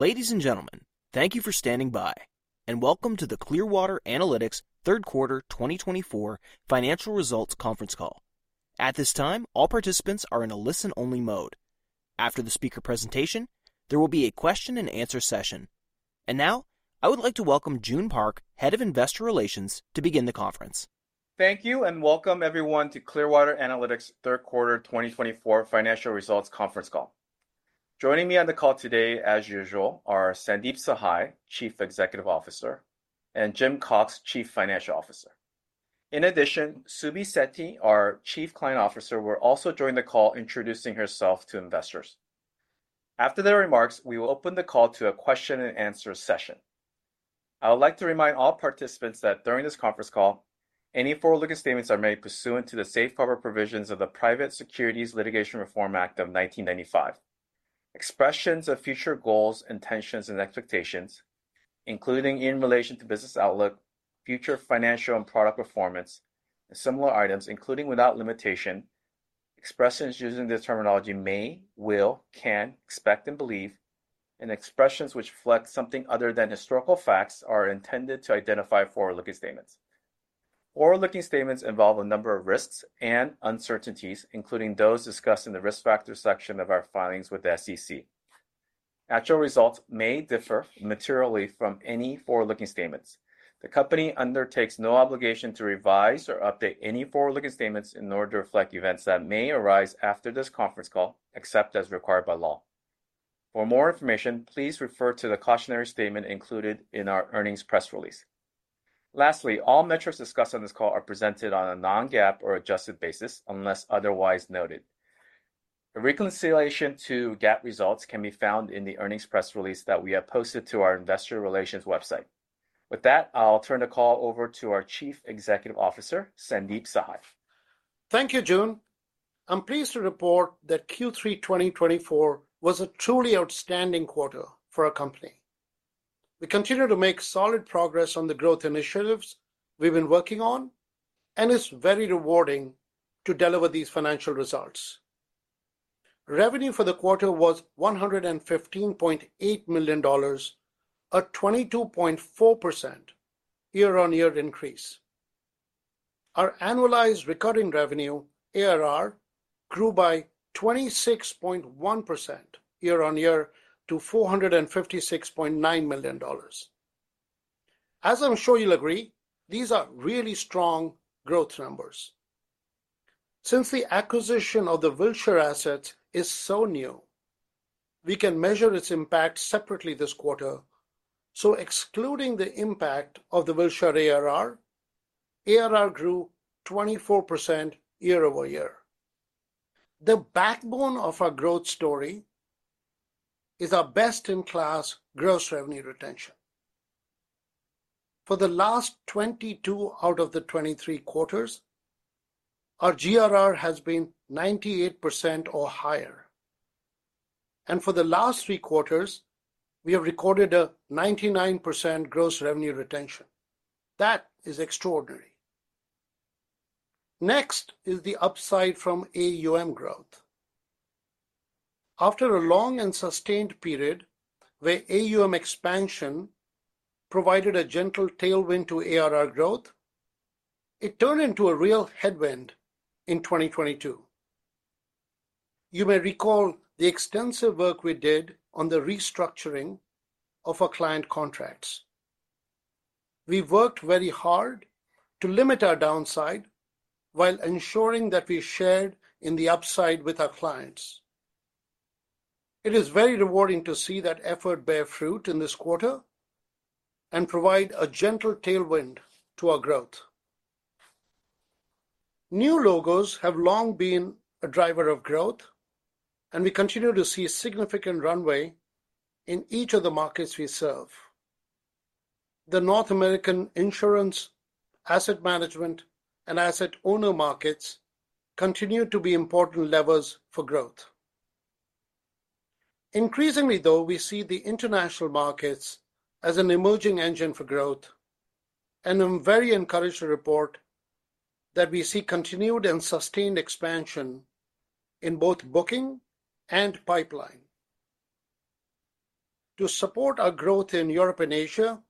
Ladies and gentlemen, thank you for standing by, and welcome to the Clearwater Analytics Q3 2024 financial results conference call. At this time, all participants are in a listen-only mode. After the speaker presentation, there will be a question-and-answer session. And now, I would like to welcome Joon Park, Head of Investor Relations, to begin the conference. Thank you, and welcome everyone to Clearwater Analytics Q3 2024 financial results conference call. Joining me on the call today, as usual, are Sandeep Sahai, CEO, and Jim Cox, CFO. In addition, Subi Sethi, our Chief Client Officer, will also join the call, introducing herself to investors. After their remarks, we will open the call to a question-and-answer session. I would like to remind all participants that during this conference call, any forward-looking statements are made pursuant to the safeguard provisions of the Private Securities Litigation Reform Act of 1995. Expressions of future goals, intentions, and expectations, including in relation to business outlook, future financial and product performance, and similar items, including without limitation, expressions using the terminology may, will, can, expect, and believe, and expressions which reflect something other than historical facts are intended to identify forward-looking statements. Forward-looking statements involve a number of risks and uncertainties, including those discussed in the risk factor section of our filings with the SEC. Actual results may differ materially from any forward-looking statements. The company undertakes no obligation to revise or update any forward-looking statements in order to reflect events that may arise after this conference call, except as required by law. For more information, please refer to the cautionary statement included in our earnings press release. Lastly, all metrics discussed on this call are presented on a non-GAAP or adjusted basis, unless otherwise noted. The reconciliation to GAAP results can be found in the earnings press release that we have posted to our Investor Relations website. With that, I'll turn the call over to our Chief Executive Officer, Sandeep Sahai. Thank you, Joon. I'm pleased to report that Q3 2024 was a truly outstanding quarter for our company. We continue to make solid progress on the growth initiatives we've been working on, and it's very rewarding to deliver these financial results. Revenue for the quarter was $115.8 million, a 22.4% year-on-year increase. Our annualized recurring revenue, ARR, grew by 26.1% year-on-year to $456.9 million. As I'm sure you'll agree, these are really strong growth numbers. Since the acquisition of the Wilshire assets is so new, we can measure its impact separately this quarter. So, excluding the impact of the Wilshire ARR, ARR grew 24% year-over-year. The backbone of our growth story is our best-in-class gross revenue retention. For the last 22 out of the 23 quarters, our GRR has been 98% or higher. And for the last three quarters, we have recorded a 99% gross revenue retention. That is extraordinary. Next is the upside from AUM growth. After a long and sustained period where AUM expansion provided a gentle tailwind to ARR growth, it turned into a real headwind in 2022. You may recall the extensive work we did on the restructuring of our client contracts. We worked very hard to limit our downside while ensuring that we shared in the upside with our clients. It is very rewarding to see that effort bear fruit in this quarter and provide a gentle tailwind to our growth. New logos have long been a driver of growth, and we continue to see a significant runway in each of the markets we serve. The North American insurance, asset management, and asset owner markets continue to be important levers for growth. Increasingly, though, we see the international markets as an emerging engine for growth, and I'm very encouraged to report that we see continued and sustained expansion in both booking and pipeline. To support our growth in Europe and Asia,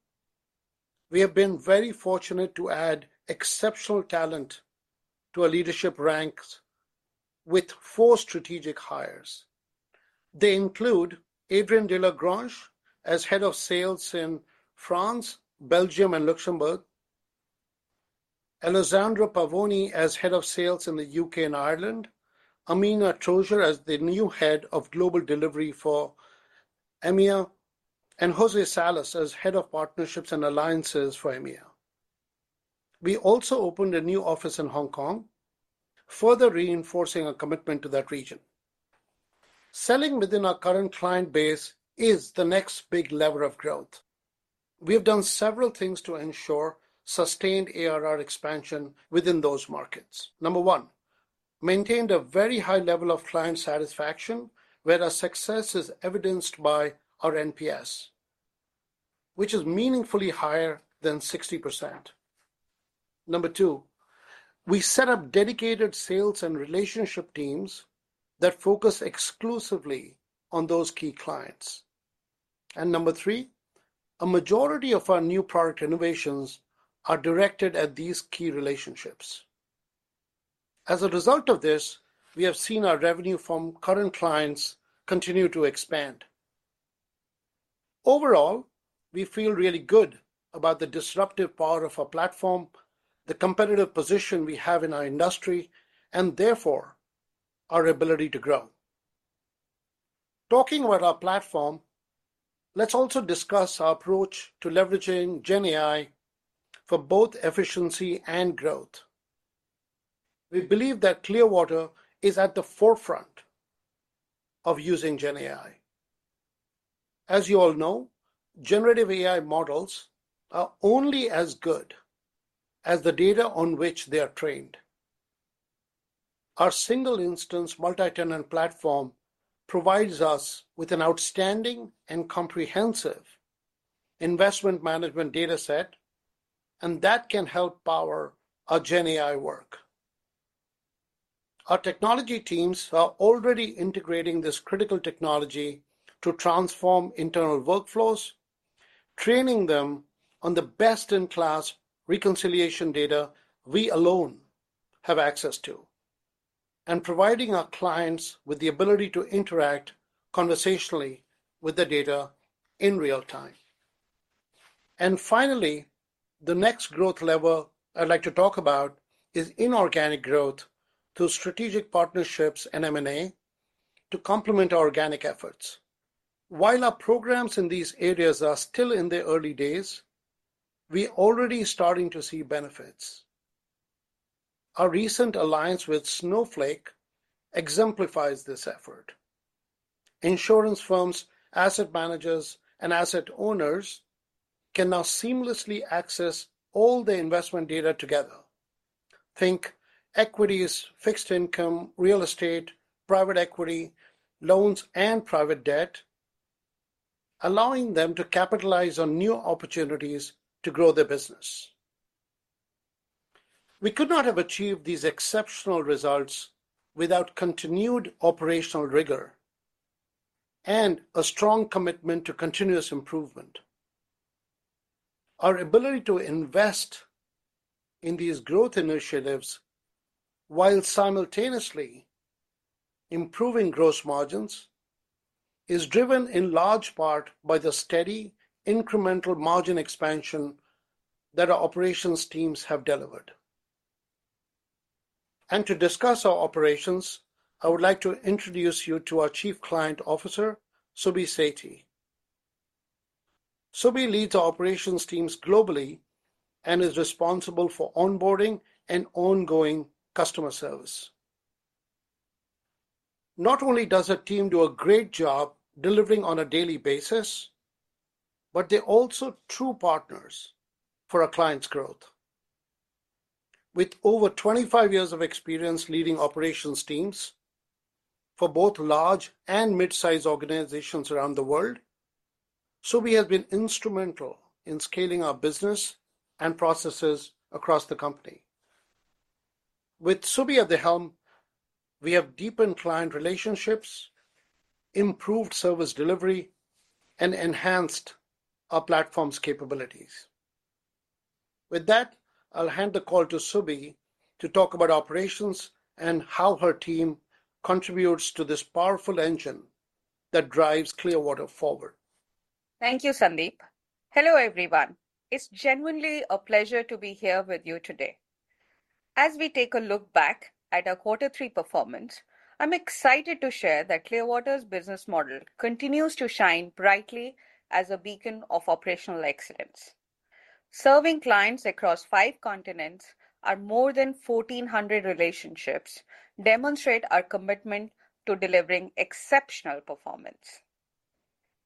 we have been very fortunate to add exceptional talent to our leadership ranks with four strategic hires. They include Adrien Delagrange as Head of Sales in France, Belgium, and Luxembourg, Alessandra Pavoni as Head of Sales in the U.K. and Ireland, Amina Troeger as the new Head of Global Delivery for EMEA, and Jose Salas as Head of Partnerships and Alliances for EMEA. We also opened a new office in Hong Kong, further reinforcing our commitment to that region. Selling within our current client base is the next big lever of growth. We have done several things to ensure sustained ARR expansion within those markets. Number one, maintained a very high level of client satisfaction, where our success is evidenced by our NPS, which is meaningfully higher than 60%. Number two, we set up dedicated sales and relationship teams that focus exclusively on those key clients. And number three, a majority of our new product innovations are directed at these key relationships. As a result of this, we have seen our revenue from current clients continue to expand. Overall, we feel really good about the disruptive power of our platform, the competitive position we have in our industry, and therefore our ability to grow. Talking about our platform, let's also discuss our approach to leveraging GenAI for both efficiency and growth. We believe that Clearwater is at the forefront of using GenAI. As you all know, generative AI models are only as good as the data on which they are trained. Our single-instance multi-tenant platform provides us with an outstanding and comprehensive investment management dataset, and that can help power our GenAI work. Our technology teams are already integrating this critical technology to transform internal workflows, training them on the best-in-class reconciliation data we alone have access to, and providing our clients with the ability to interact conversationally with the data in real time. And finally, the next growth lever I'd like to talk about is inorganic growth through strategic partnerships and M&A to complement our organic efforts. While our programs in these areas are still in their early days, we are already starting to see benefits. Our recent alliance with Snowflake exemplifies this effort. Insurance firms, asset managers, and asset owners can now seamlessly access all their investment data together. Think equities, fixed income, real estate, private equity, loans, and private debt, allowing them to capitalize on new opportunities to grow their business. We could not have achieved these exceptional results without continued operational rigor and a strong commitment to continuous improvement. Our ability to invest in these growth initiatives while simultaneously improving gross margins is driven in large part by the steady incremental margin expansion that our operations teams have delivered, and to discuss our operations, I would like to introduce you to our Chief Client Officer, Subi Sethi. Subi leads our operations teams globally and is responsible for onboarding and ongoing customer service. Not only does her team do a great job delivering on a daily basis, but they're also true partners for our clients' growth. With over 25 years of experience leading operations teams for both large and mid-sized organizations around the world, Subi has been instrumental in scaling our business and processes across the company. With Subi at the helm, we have deepened client relationships, improved service delivery, and enhanced our platform's capabilities. With that, I'll hand the call to Subi to talk about operations and how her team contributes to this powerful engine that drives Clearwater forward. Thank you, Sandeep. Hello, everyone. It's genuinely a pleasure to be here with you today. As we take a look back at our Q3 performance, I'm excited to share that Clearwater's business model continues to shine brightly as a beacon of operational excellence. Serving clients across five continents and more than 1,400 relationships demonstrate our commitment to delivering exceptional performance.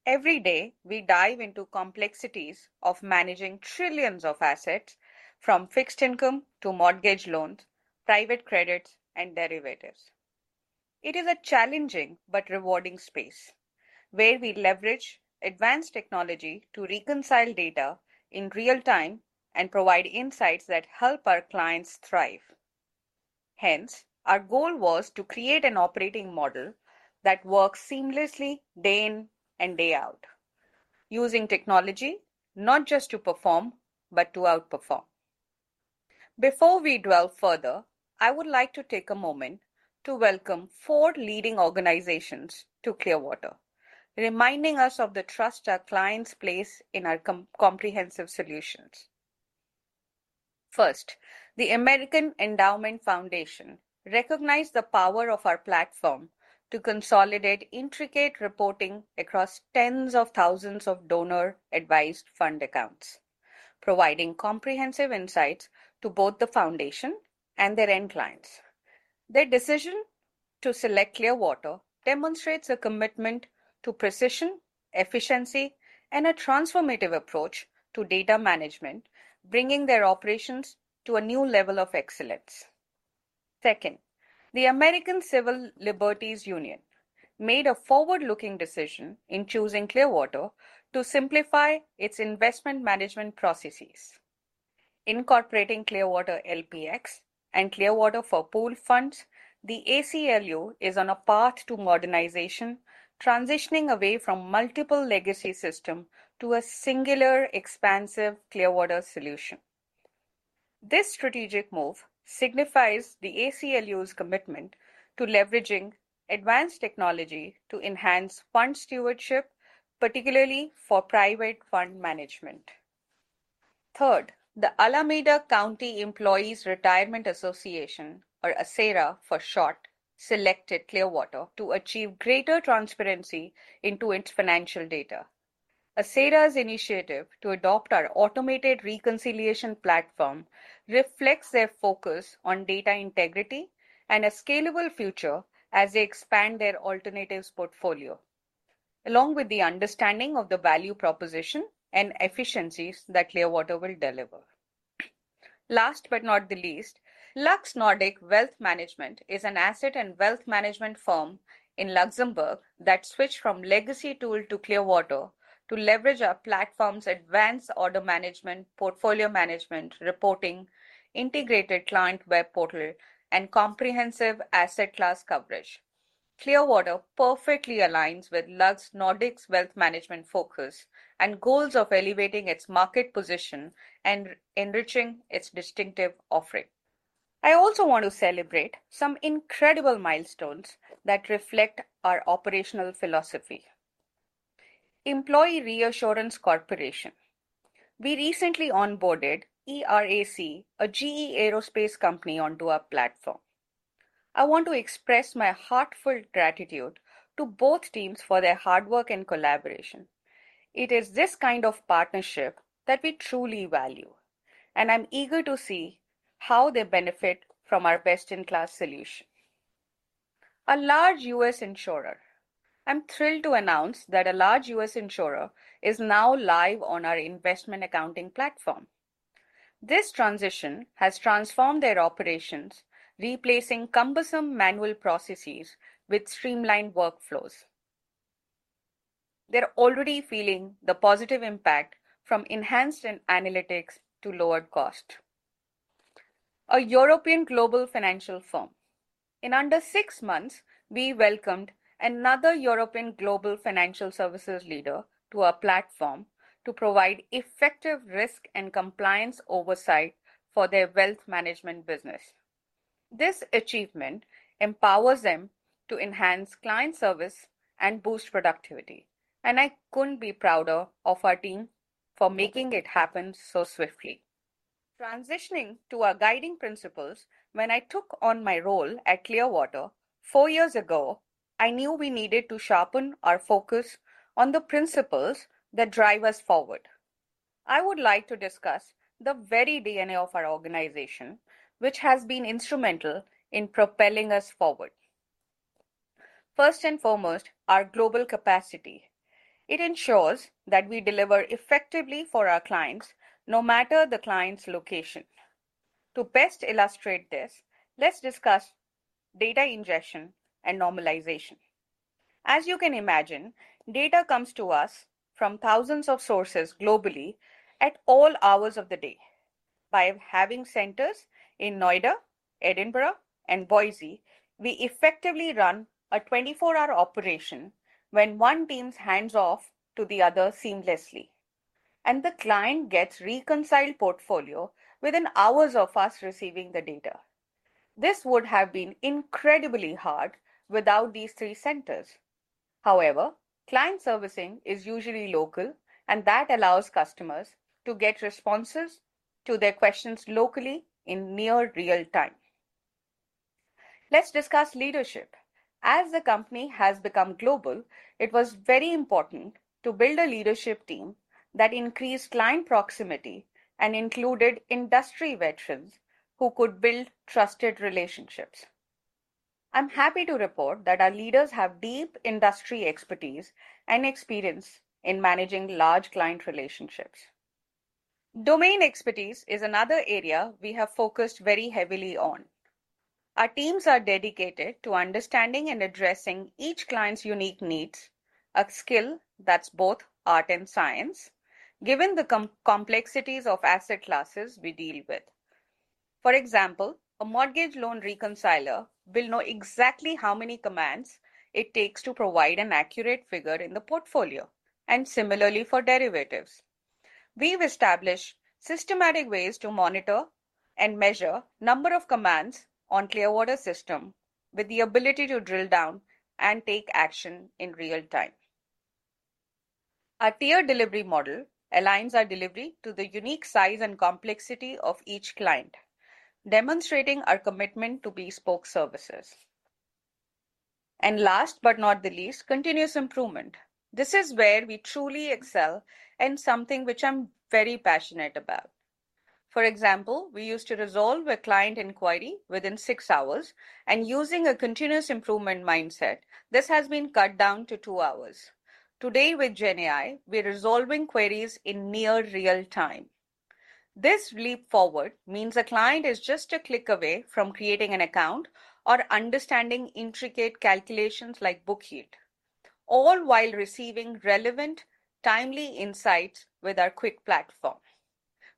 Every day, we dive into complexities of managing trillions of assets, from fixed income to mortgage loans, private credits, and derivatives. It is a challenging but rewarding space where we leverage advanced technology to reconcile data in real time and provide insights that help our clients thrive. Hence, our goal was to create an operating model that works seamlessly day in and day out, using technology not just to perform, but to outperform. Before we delve further, I would like to take a moment to welcome four leading organizations to Clearwater, reminding us of the trust our clients place in our comprehensive solutions. First, the American Endowment Foundation recognized the power of our platform to consolidate intricate reporting across tens of thousands of donor-advised fund accounts, providing comprehensive insights to both the foundation and their end clients. Their decision to select Clearwater demonstrates a commitment to precision, efficiency, and a transformative approach to data management, bringing their operations to a new level of excellence. Second, the American Civil Liberties Union made a forward-looking decision in choosing Clearwater to simplify its investment management processes. Incorporating Clearwater LPx and Clearwater for Pooled Funds, the ACLU is on a path to modernization, transitioning away from multiple legacy systems to a singular, expansive Clearwater solution. This strategic move signifies the ACLU's commitment to leveraging advanced technology to enhance fund stewardship, particularly for private fund management. Third, the Alameda County Employees Retirement Association, or ACERA for short, selected Clearwater to achieve greater transparency into its financial data. ACERA's initiative to adopt our automated reconciliation platform reflects their focus on data integrity and a scalable future as they expand their alternatives portfolio, along with the understanding of the value proposition and efficiencies that Clearwater will deliver. Last but not the least, LuxNordic Wealth Management is an asset and wealth management firm in Luxembourg that switched from legacy tool to Clearwater to leverage our platform's advanced order management, portfolio management, reporting, integrated client web portal, and comprehensive asset class coverage. Clearwater perfectly aligns with LuxNordic's wealth management focus and goals of elevating its market position and enriching its distinctive offering. I also want to celebrate some incredible milestones that reflect our operational philosophy. Employers Reassurance Corporation. We recently onboarded ERAC, a GE Aerospace company, onto our platform. I want to express my heartfelt gratitude to both teams for their hard work and collaboration. It is this kind of partnership that we truly value, and I'm eager to see how they benefit from our best-in-class solution. A large U.S. insurer. I'm thrilled to announce that a large U.S. insurer is now live on our investment accounting platform. This transition has transformed their operations, replacing cumbersome manual processes with streamlined workflows. They're already feeling the positive impact from enhanced analytics to lowered cost. A European global financial firm. In under six months, we welcomed another European global financial services leader to our platform to provide effective risk and compliance oversight for their wealth management business. This achievement empowers them to enhance client service and boost productivity, and I couldn't be prouder of our team for making it happen so swiftly. Transitioning to our guiding principles, when I took on my role at Clearwater four years ago, I knew we needed to sharpen our focus on the principles that drive us forward. I would like to discuss the very DNA of our organization, which has been instrumental in propelling us forward. First and foremost, our global capacity. It ensures that we deliver effectively for our clients, no matter the client's location. To best illustrate this, let's discuss data ingestion and normalization. As you can imagine, data comes to us from thousands of sources globally at all hours of the day. By having centers in Noida, Edinburgh, and Boise, we effectively run a 24-hour operation when one team's hands off to the other seamlessly. And the client gets reconciled portfolio within hours of us receiving the data. This would have been incredibly hard without these three centers. However, client servicing is usually local, and that allows customers to get responses to their questions locally in near real time. Let's discuss leadership. As the company has become global, it was very important to build a leadership team that increased client proximity and included industry veterans who could build trusted relationships. I'm happy to report that our leaders have deep industry expertise and experience in managing large client relationships. Domain expertise is another area we have focused very heavily on. Our teams are dedicated to understanding and addressing each client's unique needs, a skill that's both art and science, given the complexities of asset classes we deal with. For example, a mortgage loan reconciler will know exactly how many commands it takes to provide an accurate figure in the portfolio, and similarly for derivatives. We've established systematic ways to monitor and measure the number of commands on Clearwater's system with the ability to drill down and take action in real time. Our tiered delivery model aligns our delivery to the unique size and complexity of each client, demonstrating our commitment to bespoke services, and last but not the least, continuous improvement. This is where we truly excel in something which I'm very passionate about. For example, we used to resolve a client inquiry within six hours, and using a continuous improvement mindset, this has been cut down to two hours. Today, with GenAI, we're resolving queries in near real time. This leap forward means a client is just a click away from creating an account or understanding intricate calculations like bookkeeping, all while receiving relevant, timely insights with our cloud platform.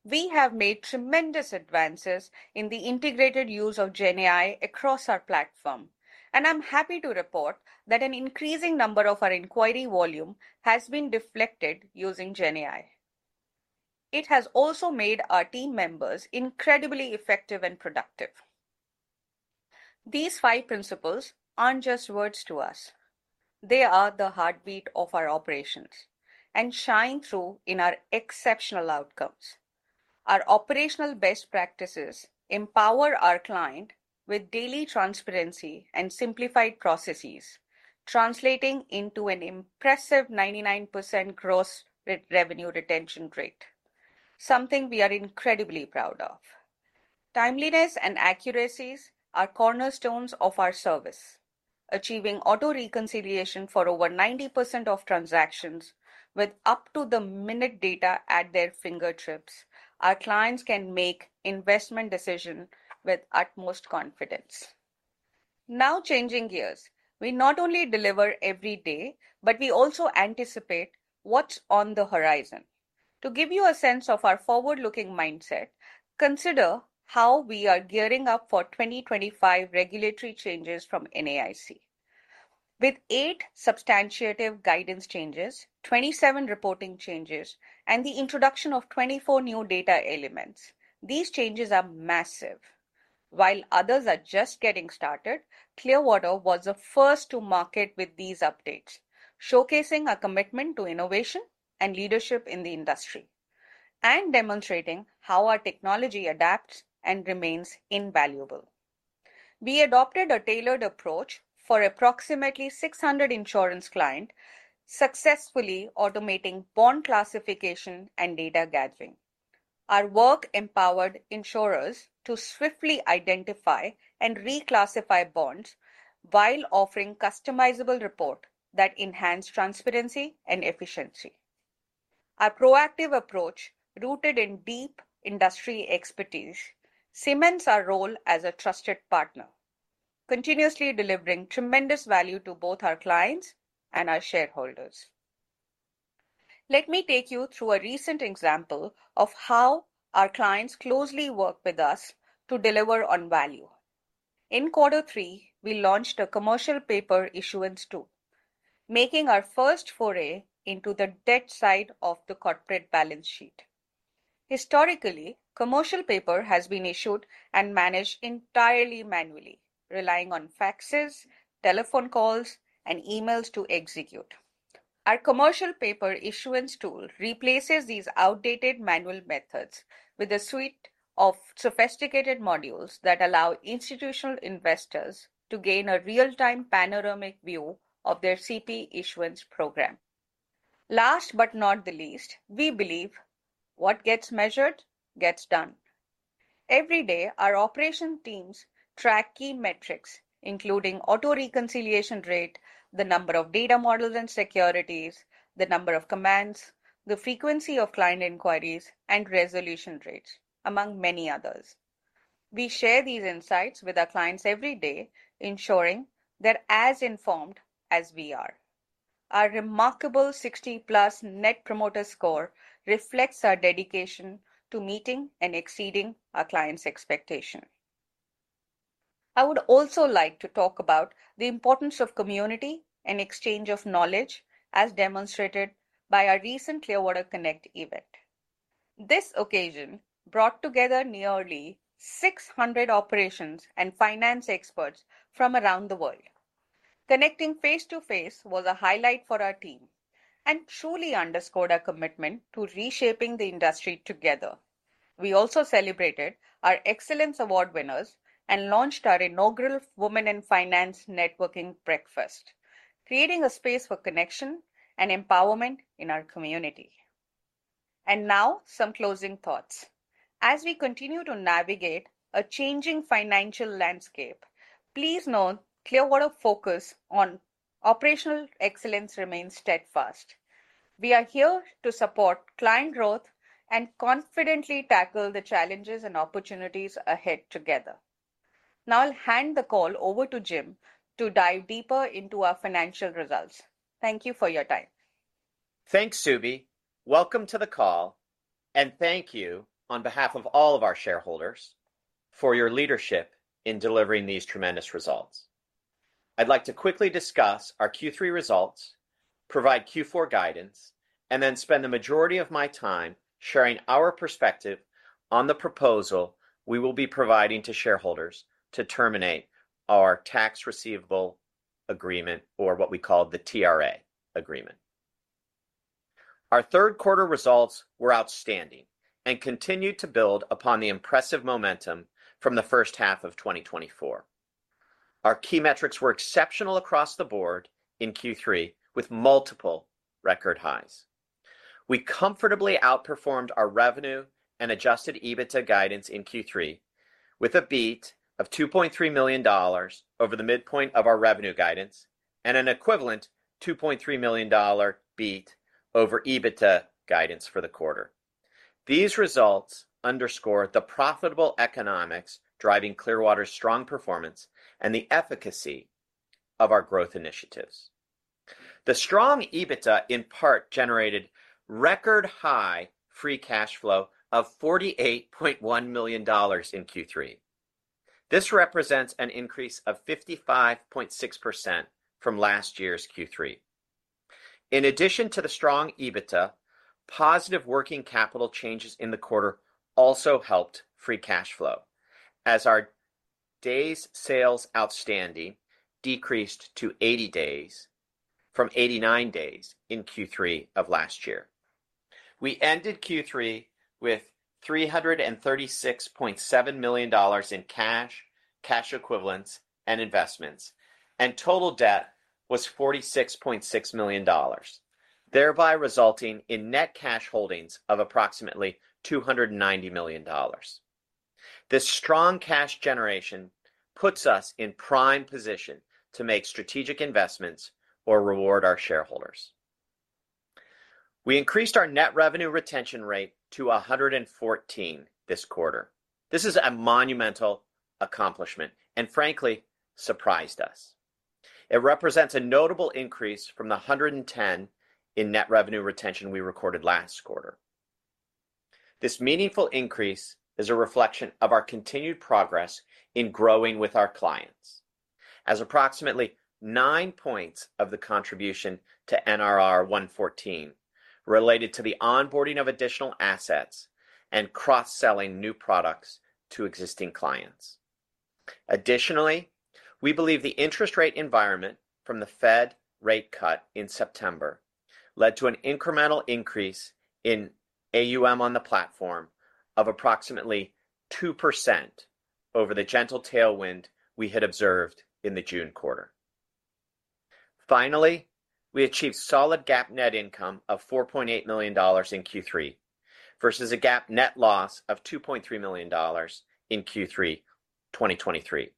We have made tremendous advances in the integrated use of GenAI across our platform, and I'm happy to report that an increasing number of our inquiries has been deflected using GenAI. It has also made our team members incredibly effective and productive. These five principles aren't just words to us. They are the heartbeat of our operations and shine through in our exceptional outcomes. Our operational best practices empower our clients with daily transparency and simplified processes, translating into an impressive 99% gross revenue retention rate, something we are incredibly proud of. Timeliness and accuracy are cornerstones of our service. Achieving auto reconciliation for over 90% of transactions with up-to-the-minute data at their fingertips, our clients can make investment decisions with utmost confidence. Now, changing gears, we not only deliver every day, but we also anticipate what's on the horizon. To give you a sense of our forward-looking mindset, consider how we are gearing up for 2025 regulatory changes from NAIC. With eight substantive guidance changes, 27 reporting changes, and the introduction of 24 new data elements, these changes are massive. While others are just getting started, Clearwater was the first to market with these updates, showcasing our commitment to innovation and leadership in the industry and demonstrating how our technology adapts and remains invaluable. We adopted a tailored approach for approximately 600 insurance clients, successfully automating bond classification and data gathering. Our work empowered insurers to swiftly identify and reclassify bonds while offering customizable reports that enhance transparency and efficiency. Our proactive approach, rooted in deep industry expertise, cements our role as a trusted partner, continuously delivering tremendous value to both our clients and our shareholders. Let me take you through a recent example of how our clients closely work with us to deliver on value. In Q3, we launched a Commercial Paper Issuance Tool, making our first foray into the debt side of the corporate balance sheet. Historically, commercial paper has been issued and managed entirely manually, relying on faxes, telephone calls, and emails to execute. Our Commercial Paper Issuance Tool replaces these outdated manual methods with a suite of sophisticated modules that allow institutional investors to gain a real-time panoramic view of their CP issuance program. Last but not the least, we believe what gets measured gets done. Every day, our operations teams track key metrics, including auto reconciliation rate, the number of data models and securities, the number of commands, the frequency of client inquiries, and resolution rates, among many others. We share these insights with our clients every day, ensuring they're as informed as we are. Our remarkable 60-plus Net Promoter Score reflects our dedication to meeting and exceeding our clients' expectations. I would also like to talk about the importance of community and exchange of knowledge, as demonstrated by our recent Clearwater Connect event. This occasion brought together nearly 600 operations and finance experts from around the world. Connecting face-to-face was a highlight for our team and truly underscored our commitment to reshaping the industry together. We also celebrated our Excellence Award winners and launched our inaugural Women in Finance Networking Breakfast, creating a space for connection and empowerment in our community. And now, some closing thoughts. As we continue to navigate a changing financial landscape, please know Clearwater's focus on operational excellence remains steadfast. We are here to support client growth and confidently tackle the challenges and opportunities ahead together. Now, I'll hand the call over to Jim to dive deeper into our financial results. Thank you for your time. Thanks, Subi. Welcome to the call, and thank you on behalf of all of our shareholders for your leadership in delivering these tremendous results. I'd like to quickly discuss our Q3 results, provide Q4 guidance, and then spend the majority of my time sharing our perspective on the proposal we will be providing to shareholders to terminate our tax receivable agreement, or what we call the TRA agreement. Our third quarter results were outstanding and continue to build upon the impressive momentum from the first half of 2024. Our key metrics were exceptional across the board in Q3, with multiple record highs. We comfortably outperformed our revenue and Adjusted EBITDA guidance in Q3 with a beat of $2.3 million over the midpoint of our revenue guidance and an equivalent $2.3 million beat over EBITDA guidance for the quarter. These results underscore the profitable economics driving Clearwater's strong performance and the efficacy of our growth initiatives. The strong EBITDA in part generated record-high free cash flow of $48.1 million in Q3. This represents an increase of 55.6% from last year's Q3. In addition to the strong EBITDA, positive working capital changes in the quarter also helped free cash flow, as our days sales outstanding decreased to 80 days from 89 days in Q3 of last year. We ended Q3 with $336.7 million in cash, cash equivalents, and investments, and total debt was $46.6 million, thereby resulting in net cash holdings of approximately $290 million. This strong cash generation puts us in prime position to make strategic investments or reward our shareholders. We increased our net revenue retention rate to 114 this quarter. This is a monumental accomplishment and, frankly, surprised us. It represents a notable increase from the 110 in net revenue retention we recorded last quarter. This meaningful increase is a reflection of our continued progress in growing with our clients, as approximately nine points of the contribution to NRR 114 related to the onboarding of additional assets and cross-selling new products to existing clients. Additionally, we believe the interest rate environment from the Fed rate cut in September led to an incremental increase in AUM on the platform of approximately 2% over the gentle tailwind we had observed in the June quarter. Finally, we achieved solid GAAP net income of $4.8 million in Q3 versus a GAAP net loss of $2.3 million in Q3 2023.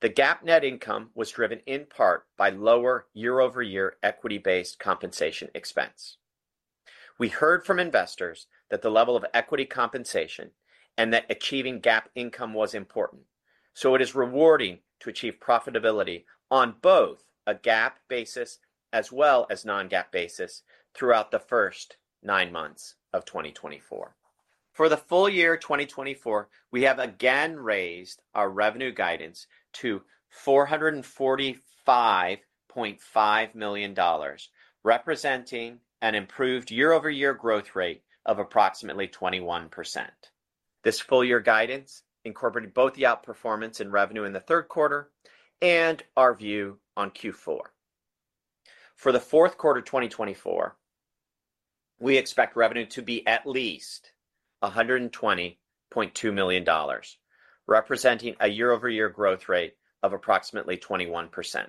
The GAAP net income was driven in part by lower year-over-year equity-based compensation expense. We heard from investors that the level of equity compensation and that achieving GAAP income was important, so it is rewarding to achieve profitability on both a GAAP basis as well as non-GAAP basis throughout the first nine months of 2024. For the full year 2024, we have again raised our revenue guidance to $445.5 million, representing an improved year-over-year growth rate of approximately 21%. This full year guidance incorporated both the outperformance in revenue in the third quarter and our view on Q4. For the fourth quarter 2024, we expect revenue to be at least $120.2 million, representing a year-over-year growth rate of approximately 21%.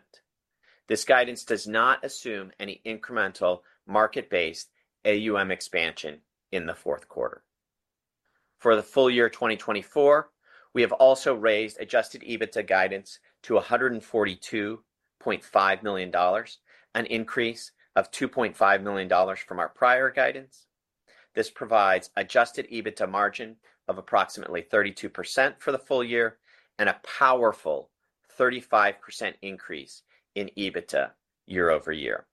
This guidance does not assume any incremental market-based AUM expansion in the fourth quarter. For the full year 2024, we have also raised adjusted EBITDA guidance to $142.5 million, an increase of $2.5 million from our prior guidance. This provides adjusted EBITDA margin of approximately 32% for the full year and a powerful 35% increase in EBITDA year-over-year.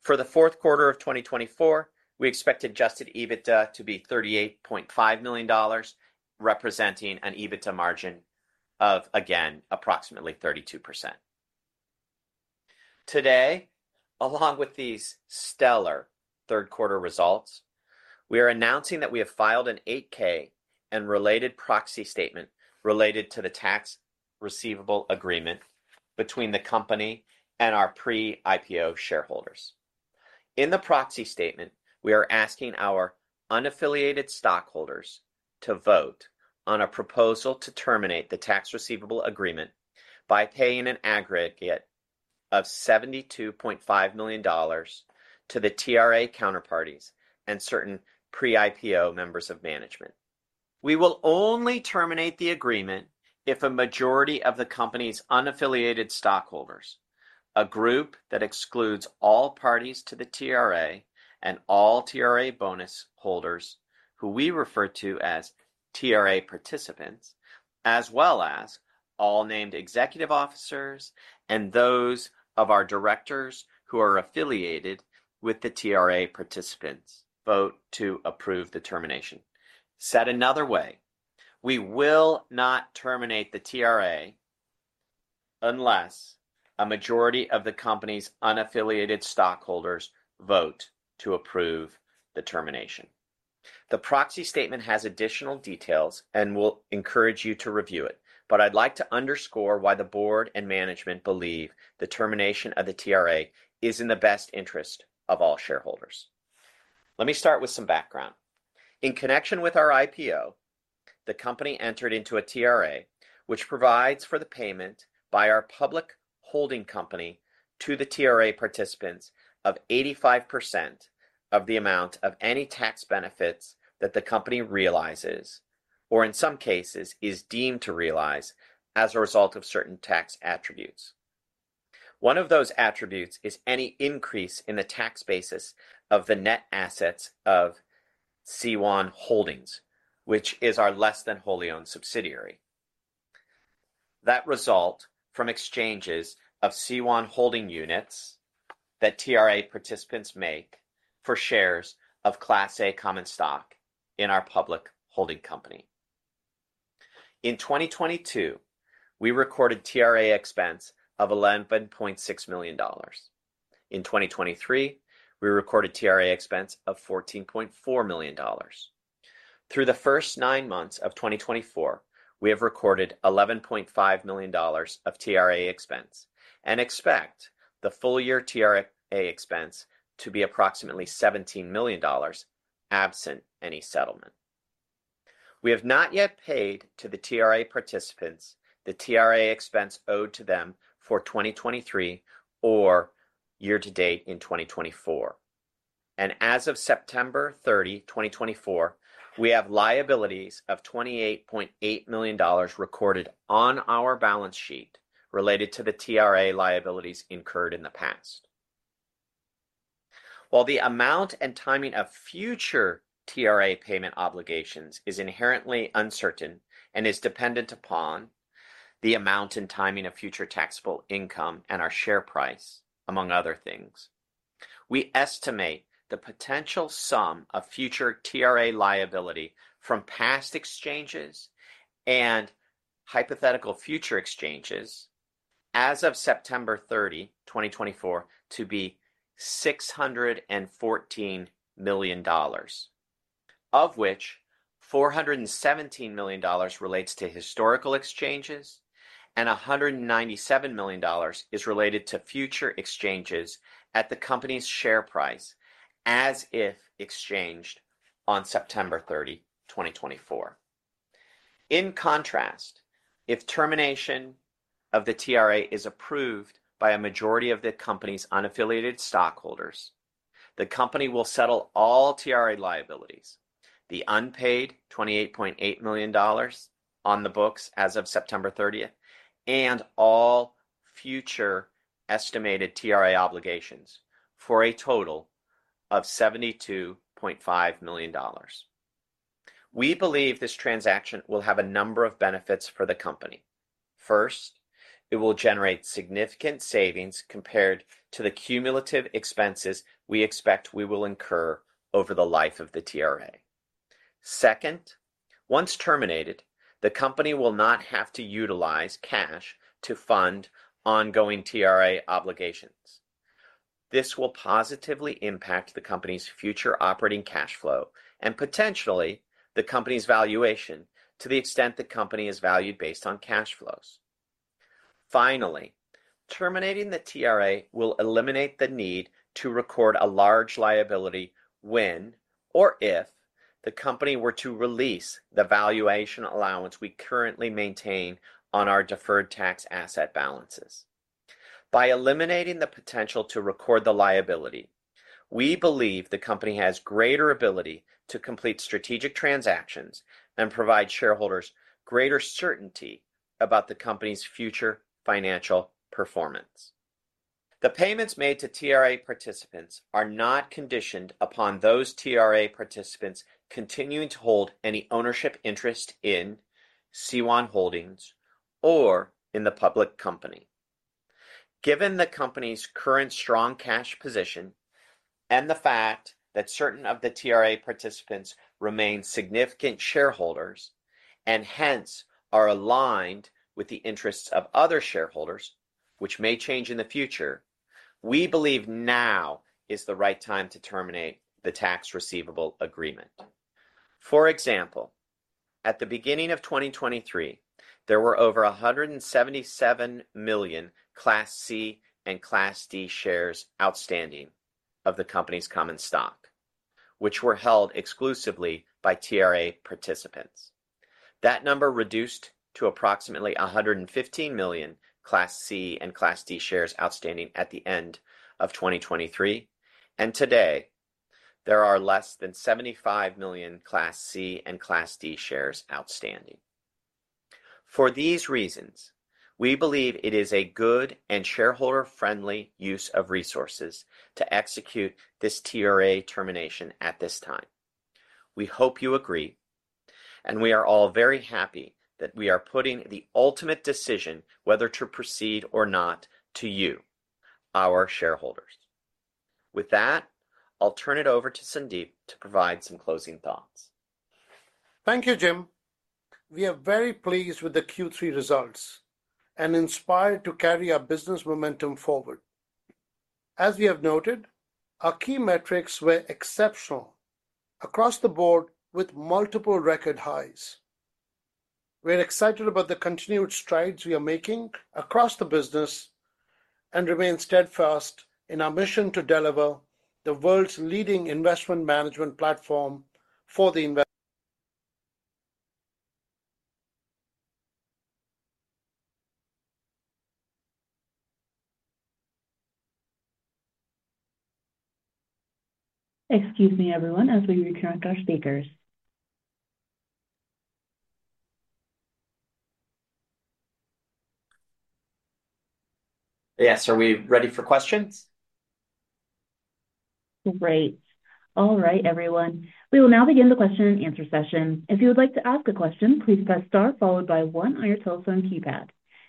For the fourth quarter of 2024, we expect adjusted EBITDA to be $38.5 million, representing an EBITDA margin of, again, approximately 32%. Today, along with these stellar third quarter results, we are announcing that we have filed an 8-K and related Proxy Statement related to the Tax Receivable Agreement between the company and our pre-IPO shareholders. In the Proxy Statement, we are asking our unaffiliated stockholders to vote on a proposal to terminate the Tax Receivable Agreement by paying an aggregate of $72.5 million to the TRA counterparties and certain pre-IPO members of management. We will only terminate the agreement if a majority of the company's unaffiliated stockholders, a group that excludes all parties to the TRA and all TRA bonus holders, who we refer to as TRA participants, as well as all named executive officers and those of our directors who are affiliated with the TRA participants, vote to approve the termination. Said another way, we will not terminate the TRA unless a majority of the company's unaffiliated stockholders vote to approve the termination. The proxy statement has additional details and will encourage you to review it, but I'd like to underscore why the board and management believe the termination of the TRA is in the best interest of all shareholders. Let me start with some background. In connection with our IPO, the company entered into a TRA, which provides for the payment by our public holding company to the TRA participants of 85% of the amount of any tax benefits that the company realizes or, in some cases, is deemed to realize as a result of certain tax attributes. One of those attributes is any increase in the tax basis of the net assets of CWAN Holdings, which is our less-than-wholly-owned subsidiary. That result from exchanges of CWAN Holdings units that TRA participants make for shares of Class A Common Stock in our public holding company. In 2022, we recorded TRA expense of $11.6 million. In 2023, we recorded TRA expense of $14.4 million. Through the first nine months of 2024, we have recorded $11.5 million of TRA expense and expect the full year TRA expense to be approximately $17 million absent any settlement. We have not yet paid to the TRA participants the TRA expense owed to them for 2023 or year-to-date in 2024. As of September 30, 2024, we have liabilities of $28.8 million recorded on our balance sheet related to the TRA liabilities incurred in the past. While the amount and timing of future TRA payment obligations is inherently uncertain and is dependent upon the amount and timing of future taxable income and our share price, among other things, we estimate the potential sum of future TRA liability from past exchanges and hypothetical future exchanges as of September 30, 2024, to be $614 million, of which $417 million relates to historical exchanges and $197 million is related to future exchanges at the company's share price as if exchanged on September 30, 2024. In contrast, if termination of the TRA is approved by a majority of the company's unaffiliated stockholders, the company will settle all TRA liabilities, the unpaid $28.8 million on the books as of September 30, and all future estimated TRA obligations for a total of $72.5 million. We believe this transaction will have a number of benefits for the company. First, it will generate significant savings compared to the cumulative expenses we expect we will incur over the life of the TRA. Second, once terminated, the company will not have to utilize cash to fund ongoing TRA obligations. This will positively impact the company's future operating cash flow and potentially the company's valuation to the extent the company is valued based on cash flows. Finally, terminating the TRA will eliminate the need to record a large liability when or if the company were to release the valuation allowance we currently maintain on our deferred tax asset balances. By eliminating the potential to record the liability, we believe the company has greater ability to complete strategic transactions and provide shareholders greater certainty about the company's future financial performance. The payments made to TRA participants are not conditioned upon those TRA participants continuing to hold any ownership interest in CWAN Holdings or in the public company. Given the company's current strong cash position and the fact that certain of the TRA participants remain significant shareholders and hence are aligned with the interests of other shareholders, which may change in the future, we believe now is the right time to terminate the tax receivable agreement. For example, at the beginning of 2023, there were over 177 million Class C and Class D shares outstanding of the company's common stock, which were held exclusively by TRA participants. That number reduced to approximately 115 million Class C and Class D shares outstanding at the end of 2023, and today, there are less than 75 million Class C and Class D shares outstanding. For these reasons, we believe it is a good and shareholder-friendly use of resources to execute this TRA termination at this time. We hope you agree, and we are all very happy that we are putting the ultimate decision whether to proceed or not to you, our shareholders. With that, I'll turn it over to Sandeep to provide some closing thoughts. Thank you, Jim. We are very pleased with the Q3 results and inspired to carry our business momentum forward. As we have noted, our key metrics were exceptional across the board with multiple record highs. We're excited about the continued strides we are making across the business and remain steadfast in our mission to deliver the world's leading investment management platform for the investor. Excuse me, everyone, as we reconnect our speakers. Yes, are we ready for questions? Great. All right, everyone. We will now begin the question-and-answer session. If you would like to ask a question, please press star followed by one on your telephone keypad.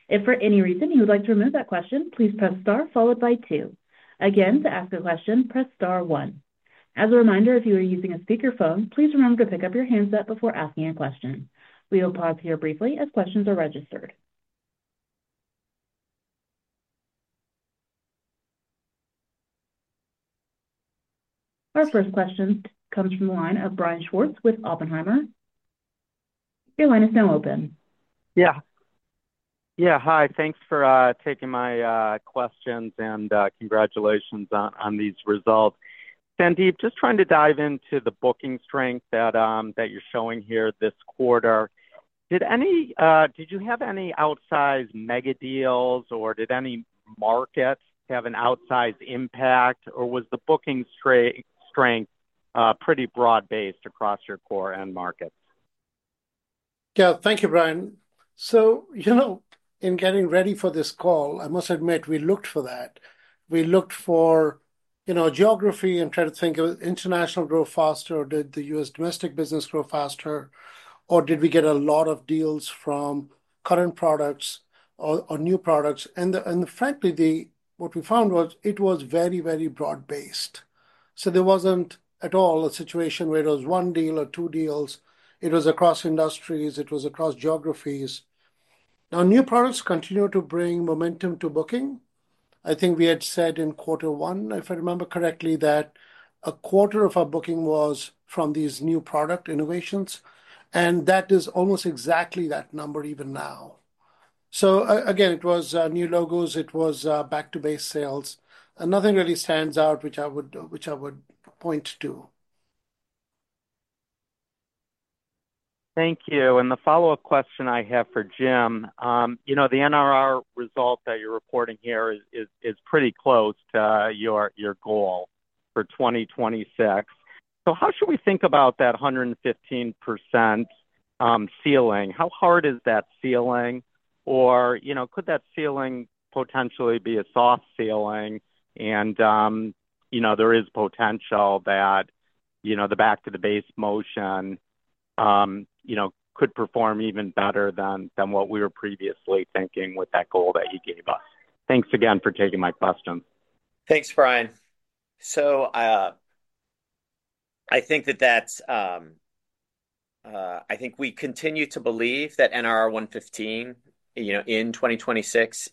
If for any reason you would like to remove that question, please press star followed by two. Again, to ask a question, press star one. As a reminder, if you are using a speakerphone, please remember to pick up your handset before asking a question. We will pause here briefly as questions are registered. Our first question comes from the line of Brian Schwartz with Oppenheimer. Your line is now open. Yeah. Yeah, hi. Thanks for taking my questions and congratulations on these results. Sandeep, just trying to dive into the booking strength that you're showing here this quarter. Did you have any outsized mega deals, or did any markets have an outsized impact, or was the booking strength pretty broad-based across your core end markets? Yeah, thank you, Brian. So in getting ready for this call, I must admit we looked for that. We looked for geography and tried to think of international growth faster, or did the U.S. domestic business grow faster, or did we get a lot of deals from current products or new products? And frankly, what we found was it was very, very broad-based. So there wasn't at all a situation where it was one deal or two deals. It was across industries. It was across geographies. Now, new products continue to bring momentum to booking. I think we had said in quarter one, if I remember correctly, that a quarter of our booking was from these new product innovations, and that is almost exactly that number even now. So again, it was new logos. It was back-to-base sales. Nothing really stands out, which I would point to. Thank you. The follow-up question I have for Jim, the NRR result that you're reporting here is pretty close to your goal for 2026. So how should we think about that 115% ceiling? How hard is that ceiling? Or could that ceiling potentially be a soft ceiling? And there is potential that the back-to-the-base motion could perform even better than what we were previously thinking with that goal that you gave us. Thanks again for taking my question. Thanks, Brian. So I think we continue to believe that NRR 115% in 2026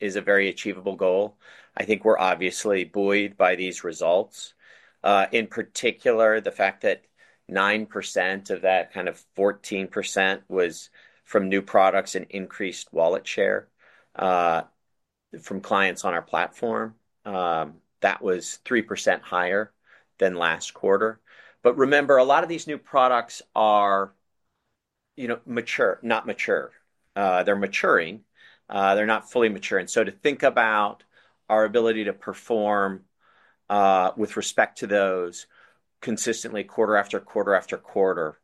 is a very achievable goal. I think we're obviously buoyed by these results. In particular, the fact that 9% of that kind of 14% was from new products and increased wallet share from clients on our platform, that was 3% higher than last quarter. But remember, a lot of these new products are mature, not mature. They're maturing. They're not fully mature. And so to think about our ability to perform with respect to those consistently quarter after quarter after quarter,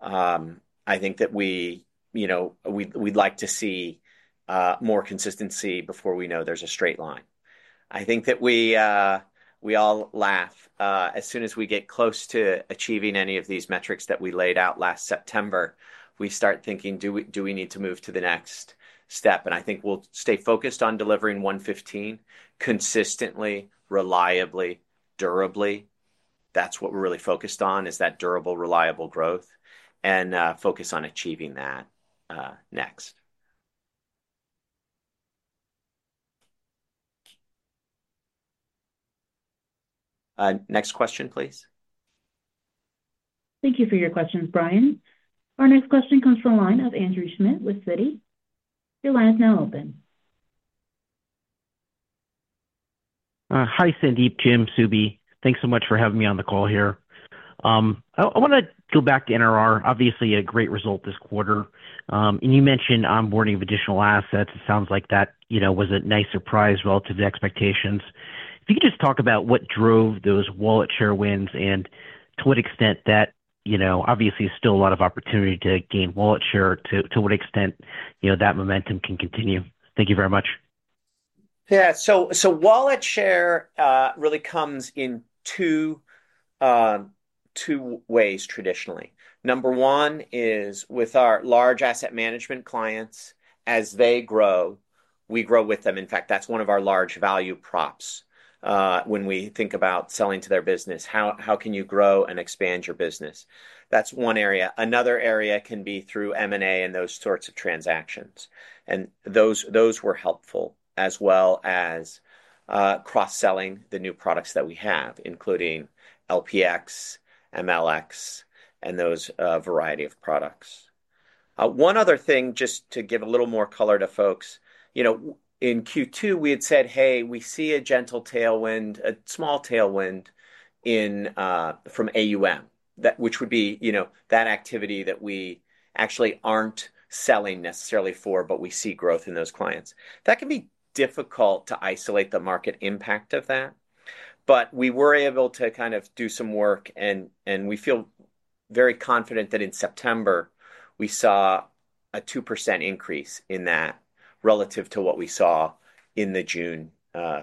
I think that we'd like to see more consistency before we know there's a straight line. I think that we all laugh as soon as we get close to achieving any of these metrics that we laid out last September. We start thinking, "Do we need to move to the next step?" And I think we'll stay focused on delivering 115 consistently, reliably, durably. That's what we're really focused on, is that durable, reliable growth and focus on achieving that next. Next question, please. Thank you for your questions, Brian. Our next question comes from the line of Andrew Schmidt with Citi. Your line is now open. Hi, Sandeep, Jim, Subi. Thanks so much for having me on the call here. I want to go back to NRR, obviously a great result this quarter, and you mentioned onboarding of additional assets. It sounds like that was a nice surprise relative to expectations. If you could just talk about what drove those wallet share wins and to what extent that obviously is still a lot of opportunity to gain wallet share, to what extent that momentum can continue. Thank you very much. Yeah, so wallet share really comes in two ways traditionally. Number one is with our large asset management clients, as they grow, we grow with them. In fact, that's one of our large value props when we think about selling to their business. How can you grow and expand your business? That's one area. Another area can be through M&A and those sorts of transactions. And those were helpful as well as cross-selling the new products that we have, including LPx, MLx, and those variety of products. One other thing, just to give a little more color to folks, in Q2, we had said, "Hey, we see a gentle tailwind, a small tailwind from AUM," which would be that activity that we actually aren't selling necessarily for, but we see growth in those clients. That can be difficult to isolate the market impact of that. But we were able to kind of do some work, and we feel very confident that in September, we saw a 2% increase in that relative to what we saw in the June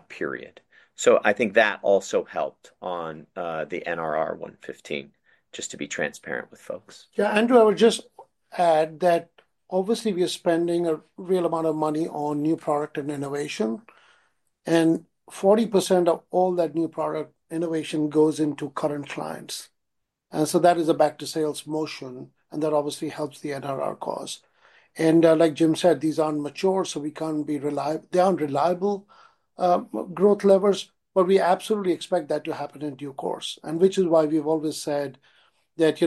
period. So I think that also helped on the NRR 115, just to be transparent with folks. Yeah. Andrew, I would just add that obviously we are spending a real amount of money on new product and innovation, and 40% of all that new product innovation goes into current clients. And so that is a back-to-sales motion, and that obviously helps the NRR cause. And like Jim said, these aren't mature, so we can't be reliable. They aren't reliable growth levers, but we absolutely expect that to happen in due course, which is why we've always said that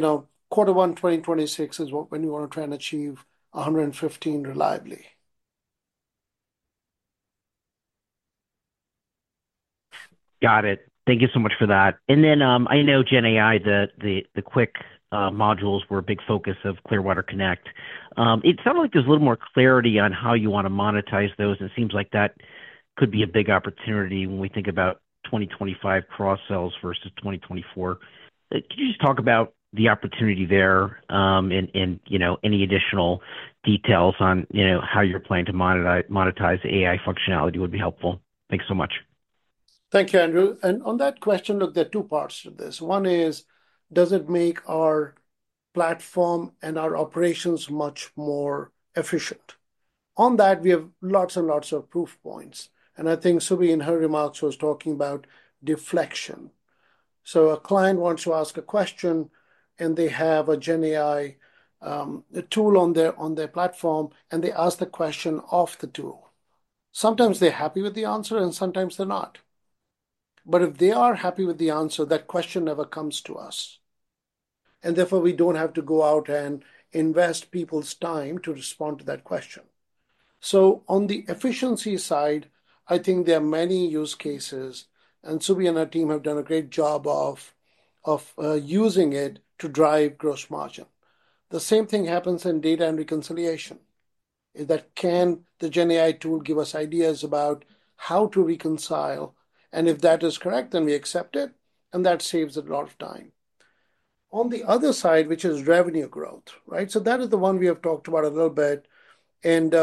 quarter one 2026 is when we want to try and achieve 115 reliably. Got it. Thank you so much for that. And then I know Gen AI, the quick modules were a big focus of Clearwater Connect. It sounded like there's a little more clarity on how you want to monetize those. It seems like that could be a big opportunity when we think about 2025 cross-sells versus 2024. Could you just talk about the opportunity there and any additional details on how you're planning to monetize the AI functionality would be helpful? Thanks so much. Thank you, Andrew. And on that question, look, there are two parts to this. One is, does it make our platform and our operations much more efficient? On that, we have lots and lots of proof points. And I think Subi, in her remarks, was talking about deflection. So a client wants to ask a question, and they have a GenAI tool on their platform, and they ask the question off the tool. Sometimes they're happy with the answer, and sometimes they're not. But if they are happy with the answer, that question never comes to us. And therefore, we don't have to go out and invest people's time to respond to that question. So on the efficiency side, I think there are many use cases, and Subi and her team have done a great job of using it to drive gross margin. The same thing happens in data and reconciliation. Can the GenAI tool give us ideas about how to reconcile? And if that is correct, then we accept it, and that saves a lot of time. On the other side, which is revenue growth, right? So that is the one we have talked about a little bit. And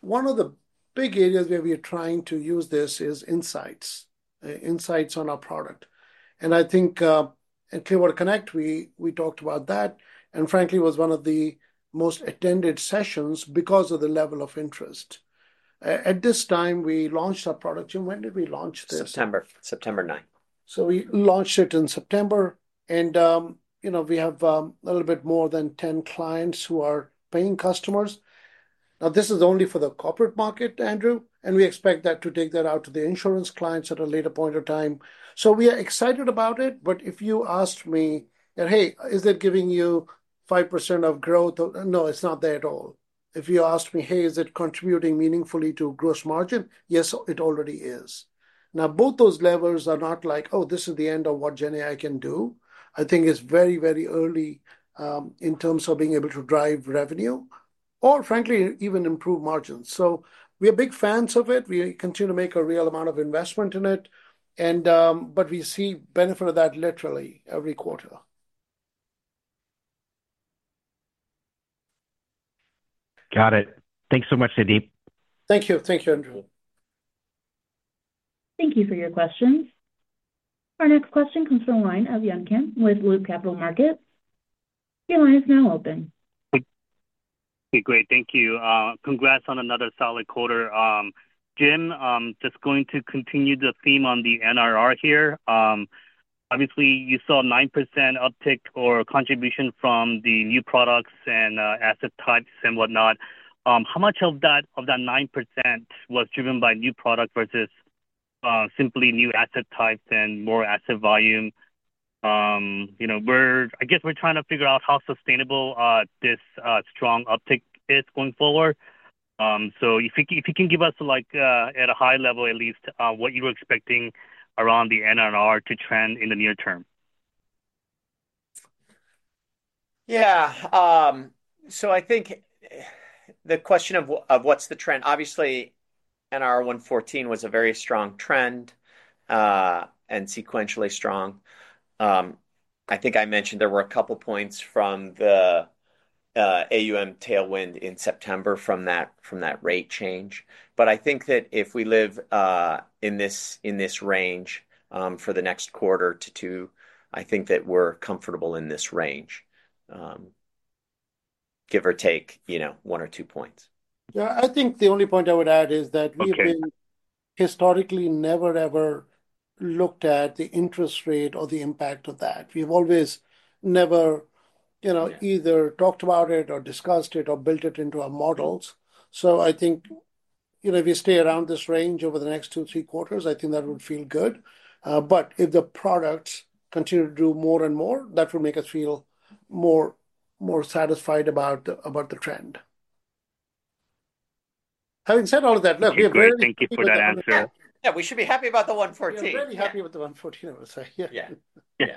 one of the big areas where we are trying to use this is Insights, Insights on our product. And I think at Clearwater Connect, we talked about that, and frankly, it was one of the most attended sessions because of the level of interest. At this time, we launched our product. Jim, when did we launch this? September, September 9th. So we launched it in September, and we have a little bit more than 10 clients who are paying customers. Now, this is only for the corporate market, Andrew, and we expect that to take that out to the insurance clients at a later point of time. So we are excited about it, but if you asked me, "Hey, is it giving you 5% of growth?" No, it's not there at all. If you asked me, "Hey, is it contributing meaningfully to gross margin?" Yes, it already is. Now, both those levels are not like, "Oh, this is the end of what GenAI can do." I think it's very, very early in terms of being able to drive revenue or, frankly, even improve margins. So we are big fans of it. We continue to make a real amount of investment in it, but we see benefit of that literally every quarter. Got it. Thanks so much, Sandeep. Thank you. Thank you, Andrew. Thank you for your questions. Our next question comes from the line of Yun Kim with Loop Capital Markets. Your line is now open. Okay, great. Thank you. Congrats on another solid quarter. Jim, just going to continue the theme on the NRR here. Obviously, you saw 9% uptick or contribution from the new products and asset types and whatnot. How much of that 9% was driven by new product versus simply new asset types and more asset volume? I guess we're trying to figure out how sustainable this strong uptick is going forward. So if you can give us, at a high level, at least, what you were expecting around the NRR to trend in the near term. Yeah. So I think the question of what's the trend, obviously, NRR 114% was a very strong trend and sequentially strong. I think I mentioned there were a couple of points from the AUM tailwind in September from that rate change. But I think that if we live in this range for the next quarter to two, I think that we're comfortable in this range, give or take one or two points. Yeah. I think the only point I would add is that we have been historically never, ever looked at the interest rate or the impact of that. We have always never either talked about it or discussed it or built it into our models. So I think if we stay around this range over the next two, three quarters, I think that would feel good. But if the products continue to do more and more, that will make us feel more satisfied about the trend. Having said all of that, look, we're very happy about that. Thank you for that answer. Yeah, we should be happy about the 114. We're very happy with the 114, I would say. Yeah. Yeah.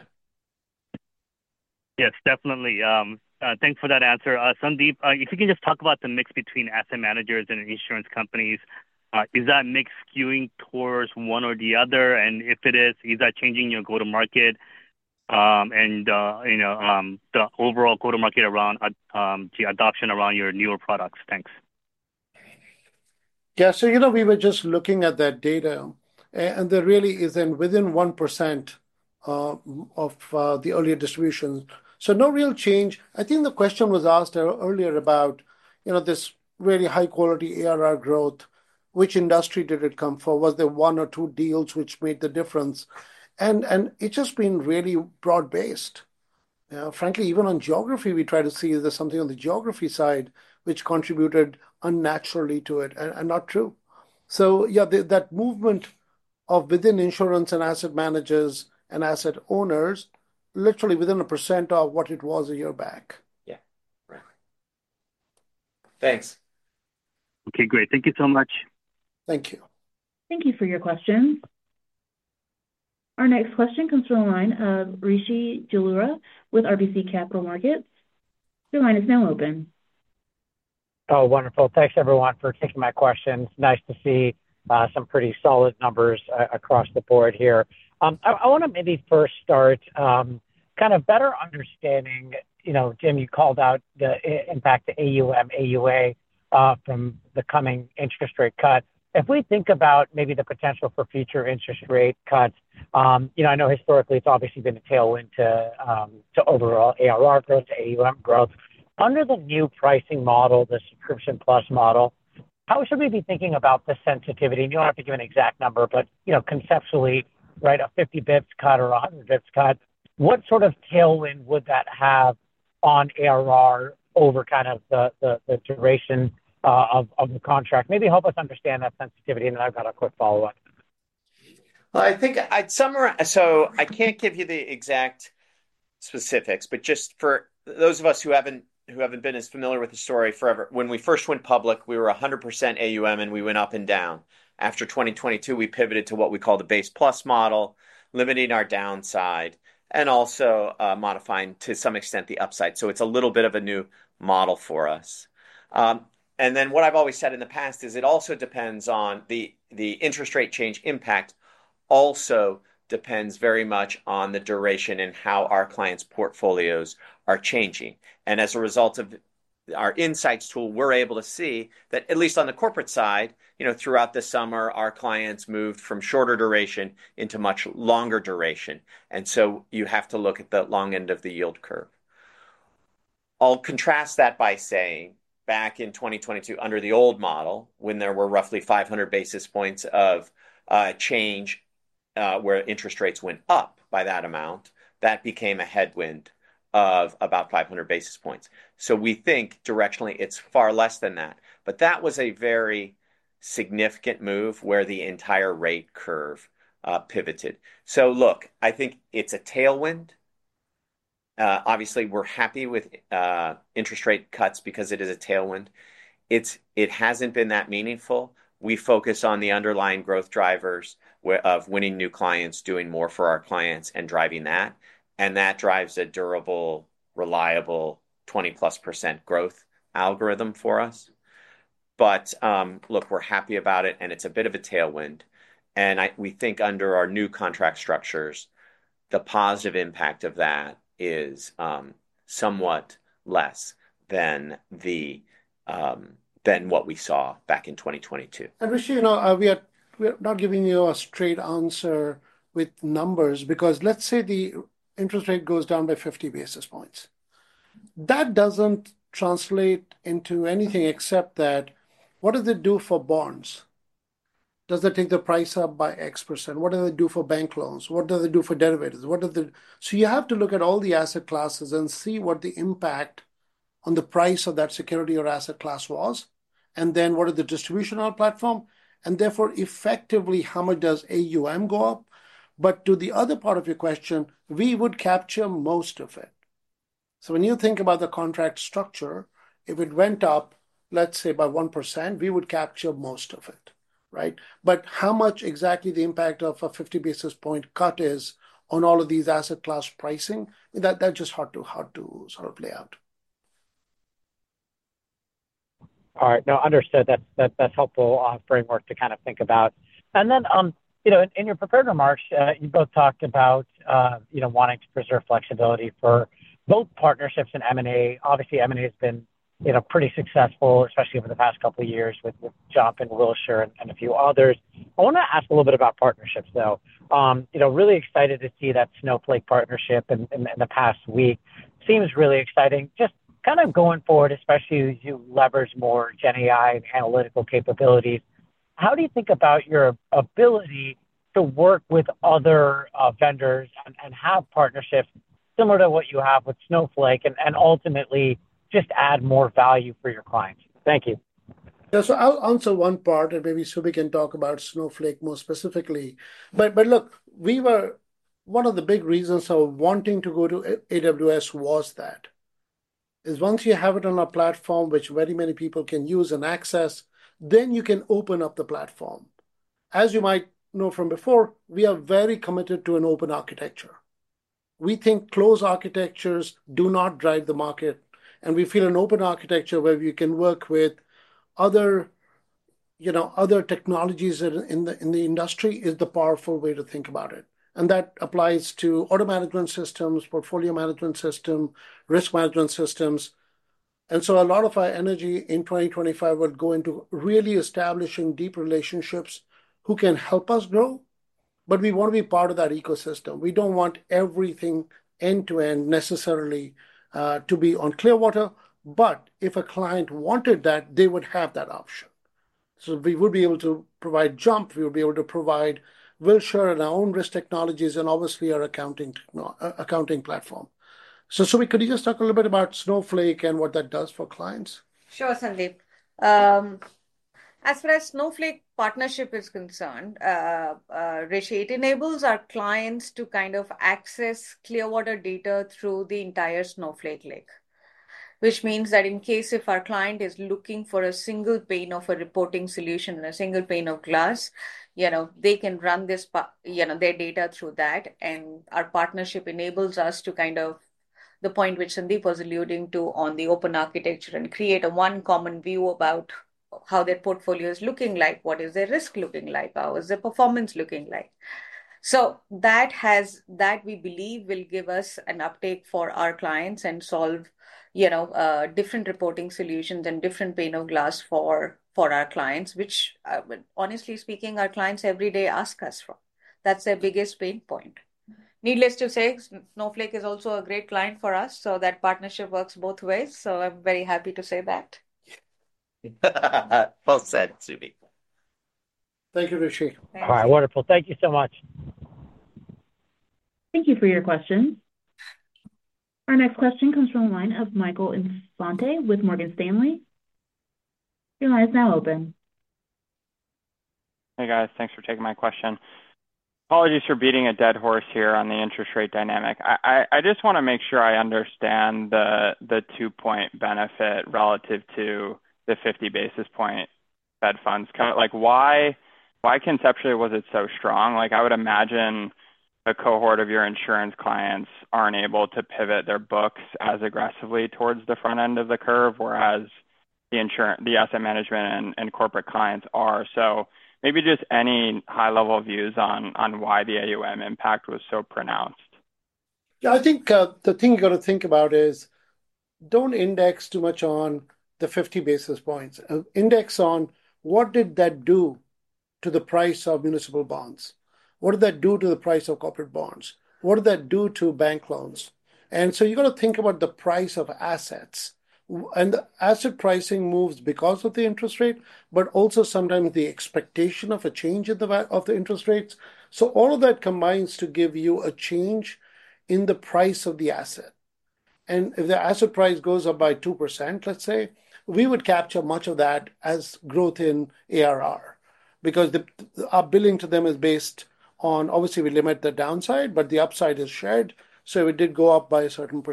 Yes, definitely. Thanks for that answer. Sandeep, if you can just talk about the mix between asset managers and insurance companies, is that mix skewing towards one or the other? And if it is, is that changing your go-to-market and the overall go-to-market around the adoption around your newer products? Thanks. Yeah. So we were just looking at that data, and there really isn't within 1% of the earlier distribution. So no real change. I think the question was asked earlier about this really high-quality ARR growth. Which industry did it come from? Was there one or two deals which made the difference? And it's just been really broad-based. Frankly, even on geography, we try to see if there's something on the geography side which contributed unnaturally to it and not true. So yeah, that movement of within insurance and asset managers and asset owners, literally within a % of what it was a year back. Yeah. Right. Thanks. Okay, great. Thank you so much. Thank you. Thank you for your questions. Our next question comes from the line of Rishi Jaluria with RBC Capital Markets. Your line is now open. Oh, wonderful. Thanks, everyone, for taking my questions. Nice to see some pretty solid numbers across the board here. I want to maybe first start kind of better understanding, Jim, you called out the impact to AUM, AUA from the coming interest rate cut. If we think about maybe the potential for future interest rate cuts, I know historically it's obviously been a tailwind to overall ARR growth, AUM growth. Under the new pricing model, the Subscription Plus model, how should we be thinking about the sensitivity? And you don't have to give an exact number, but conceptually, right, a 50 basis points cut or a 100 basis points cut, what sort of tailwind would that have on ARR over kind of the duration of the contract? Maybe help us understand that sensitivity, and then I've got a quick follow-up. Well, I think I'd summarize. So I can't give you the exact specifics, but just for those of us who haven't been as familiar with the story forever, when we first went public, we were 100% AUM, and we went up and down. After 2022, we pivoted to what we call the Base Plus model, limiting our downside and also modifying to some extent the upside. So it's a little bit of a new model for us. And then what I've always said in the past is it also depends on the interest rate change impact also depends very much on the duration and how our clients' portfolios are changing. And as a result of our Insights tool, we're able to see that at least on the corporate side, throughout the summer, our clients moved from shorter duration into much longer duration. And so you have to look at the long end of the yield curve. I'll contrast that by saying back in 2022, under the old model, when there were roughly 500 basis points of change where interest rates went up by that amount, that became a headwind of about 500 basis points. So we think directionally it's far less than that. But that was a very significant move where the entire rate curve pivoted. So look, I think it's a tailwind. Obviously, we're happy with interest rate cuts because it is a tailwind. It hasn't been that meaningful. We focus on the underlying growth drivers of winning new clients, doing more for our clients, and driving that. And that drives a durable, reliable 20-plus% growth algorithm for us. But look, we're happy about it, and it's a bit of a tailwind. And we think under our new contract structures, the positive impact of that is somewhat less than what we saw back in 2022. And Rishi, we are not giving you a straight answer with numbers because let's say the interest rate goes down by 50 basis points. That doesn't translate into anything except that what does it do for bonds? Does it take the price up by X%? What does it do for bank loans? What does it do for derivatives? What does it? So you have to look at all the asset classes and see what the impact on the price of that security or asset class was, and then what is the distribution on our platform? And therefore, effectively, how much does AUM go up? But to the other part of your question, we would capture most of it. So when you think about the contract structure, if it went up, let's say, by 1%, we would capture most of it, right? But how much exactly the impact of a 50 basis points cut is on all of these asset class pricing, that's just hard to sort of lay out. All right. No, understood. That's helpful framework to kind of think about. And then in your prepared remarks, you both talked about wanting to preserve flexibility for both partnerships and M&A. Obviously, M&A has been pretty successful, especially over the past couple of years with Jump and Wilshire and a few others. I want to ask a little bit about partnerships, though. Really excited to see that Snowflake partnership in the past week. Seems really exciting. Just kind of going forward, especially as you leverage more GenAI and analytical capabilities, how do you think about your ability to work with other vendors and have partnerships similar to what you have with Snowflake and ultimately just add more value for your clients? Thank you. Yeah. So I'll answer one part, and maybe Subi can talk about Snowflake more specifically. But look, one of the big reasons of wanting to go to AWS was that is once you have it on a platform which very many people can use and access, then you can open up the platform. As you might know from before, we are very committed to an open architecture. We think closed architectures do not drive the market, and we feel an open architecture where we can work with other technologies in the industry is the powerful way to think about it. And that applies to order management systems, portfolio management systems, risk management systems. And so a lot of our energy in 2025 will go into really establishing deep relationships who can help us grow, but we want to be part of that ecosystem. We don't want everything end-to-end necessarily to be on Clearwater, but if a client wanted that, they would have that option. So we would be able to provide Jump. We would be able to provide Wilshire and our own risk technologies and obviously our accounting platform. So Subi, could you just talk a little bit about Snowflake and what that does for clients? Sure, Sandeep. As far as Snowflake partnership is concerned, Rishi enables our clients to kind of access Clearwater data through the entire Snowflake lake, which means that in case if our client is looking for a single pane of a reporting solution and a single pane of glass, they can run their data through that, and our partnership enables us to kind of the point which Sandeep was alluding to on the open architecture and create a one common view about how their portfolio is looking like, what is their risk looking like, how is their performance looking like, so that we believe will give us an uptake for our clients and solve different reporting solutions and different pane of glass for our clients, which, honestly speaking, our clients every day ask us for. That's their biggest pain point. Needless to say, Snowflake is also a great client for us, so that partnership works both ways. So I'm very happy to say that. Well said, Subi. Thank you, Rishi. All right. Wonderful. Thank you so much. Thank you for your questions. Our next question comes from the line of Michael Infante with Morgan Stanley. Your line is now open. Hey, guys. Thanks for taking my question. Apologies for beating a dead horse here on the interest rate dynamic. I just want to make sure I understand the two-point benefit relative to the 50 basis point Fed funds. Why conceptually was it so strong? I would imagine a cohort of your insurance clients aren't able to pivot their books as aggressively towards the front end of the curve, whereas the asset management and corporate clients are. So maybe just any high-level views on why the AUM impact was so pronounced. Yeah. I think the thing you got to think about is don't index too much on the 50 basis points. Index on what did that do to the price of municipal bonds? What did that do to the price of corporate bonds? What did that do to bank loans? And so you got to think about the price of assets. And the asset pricing moves because of the interest rate, but also sometimes the expectation of a change of the interest rates. So all of that combines to give you a change in the price of the asset. And if the asset price goes up by 2%, let's say, we would capture much of that as growth in ARR because our billing to them is based on, obviously, we limit the downside, but the upside is shared. If it did go up by a certain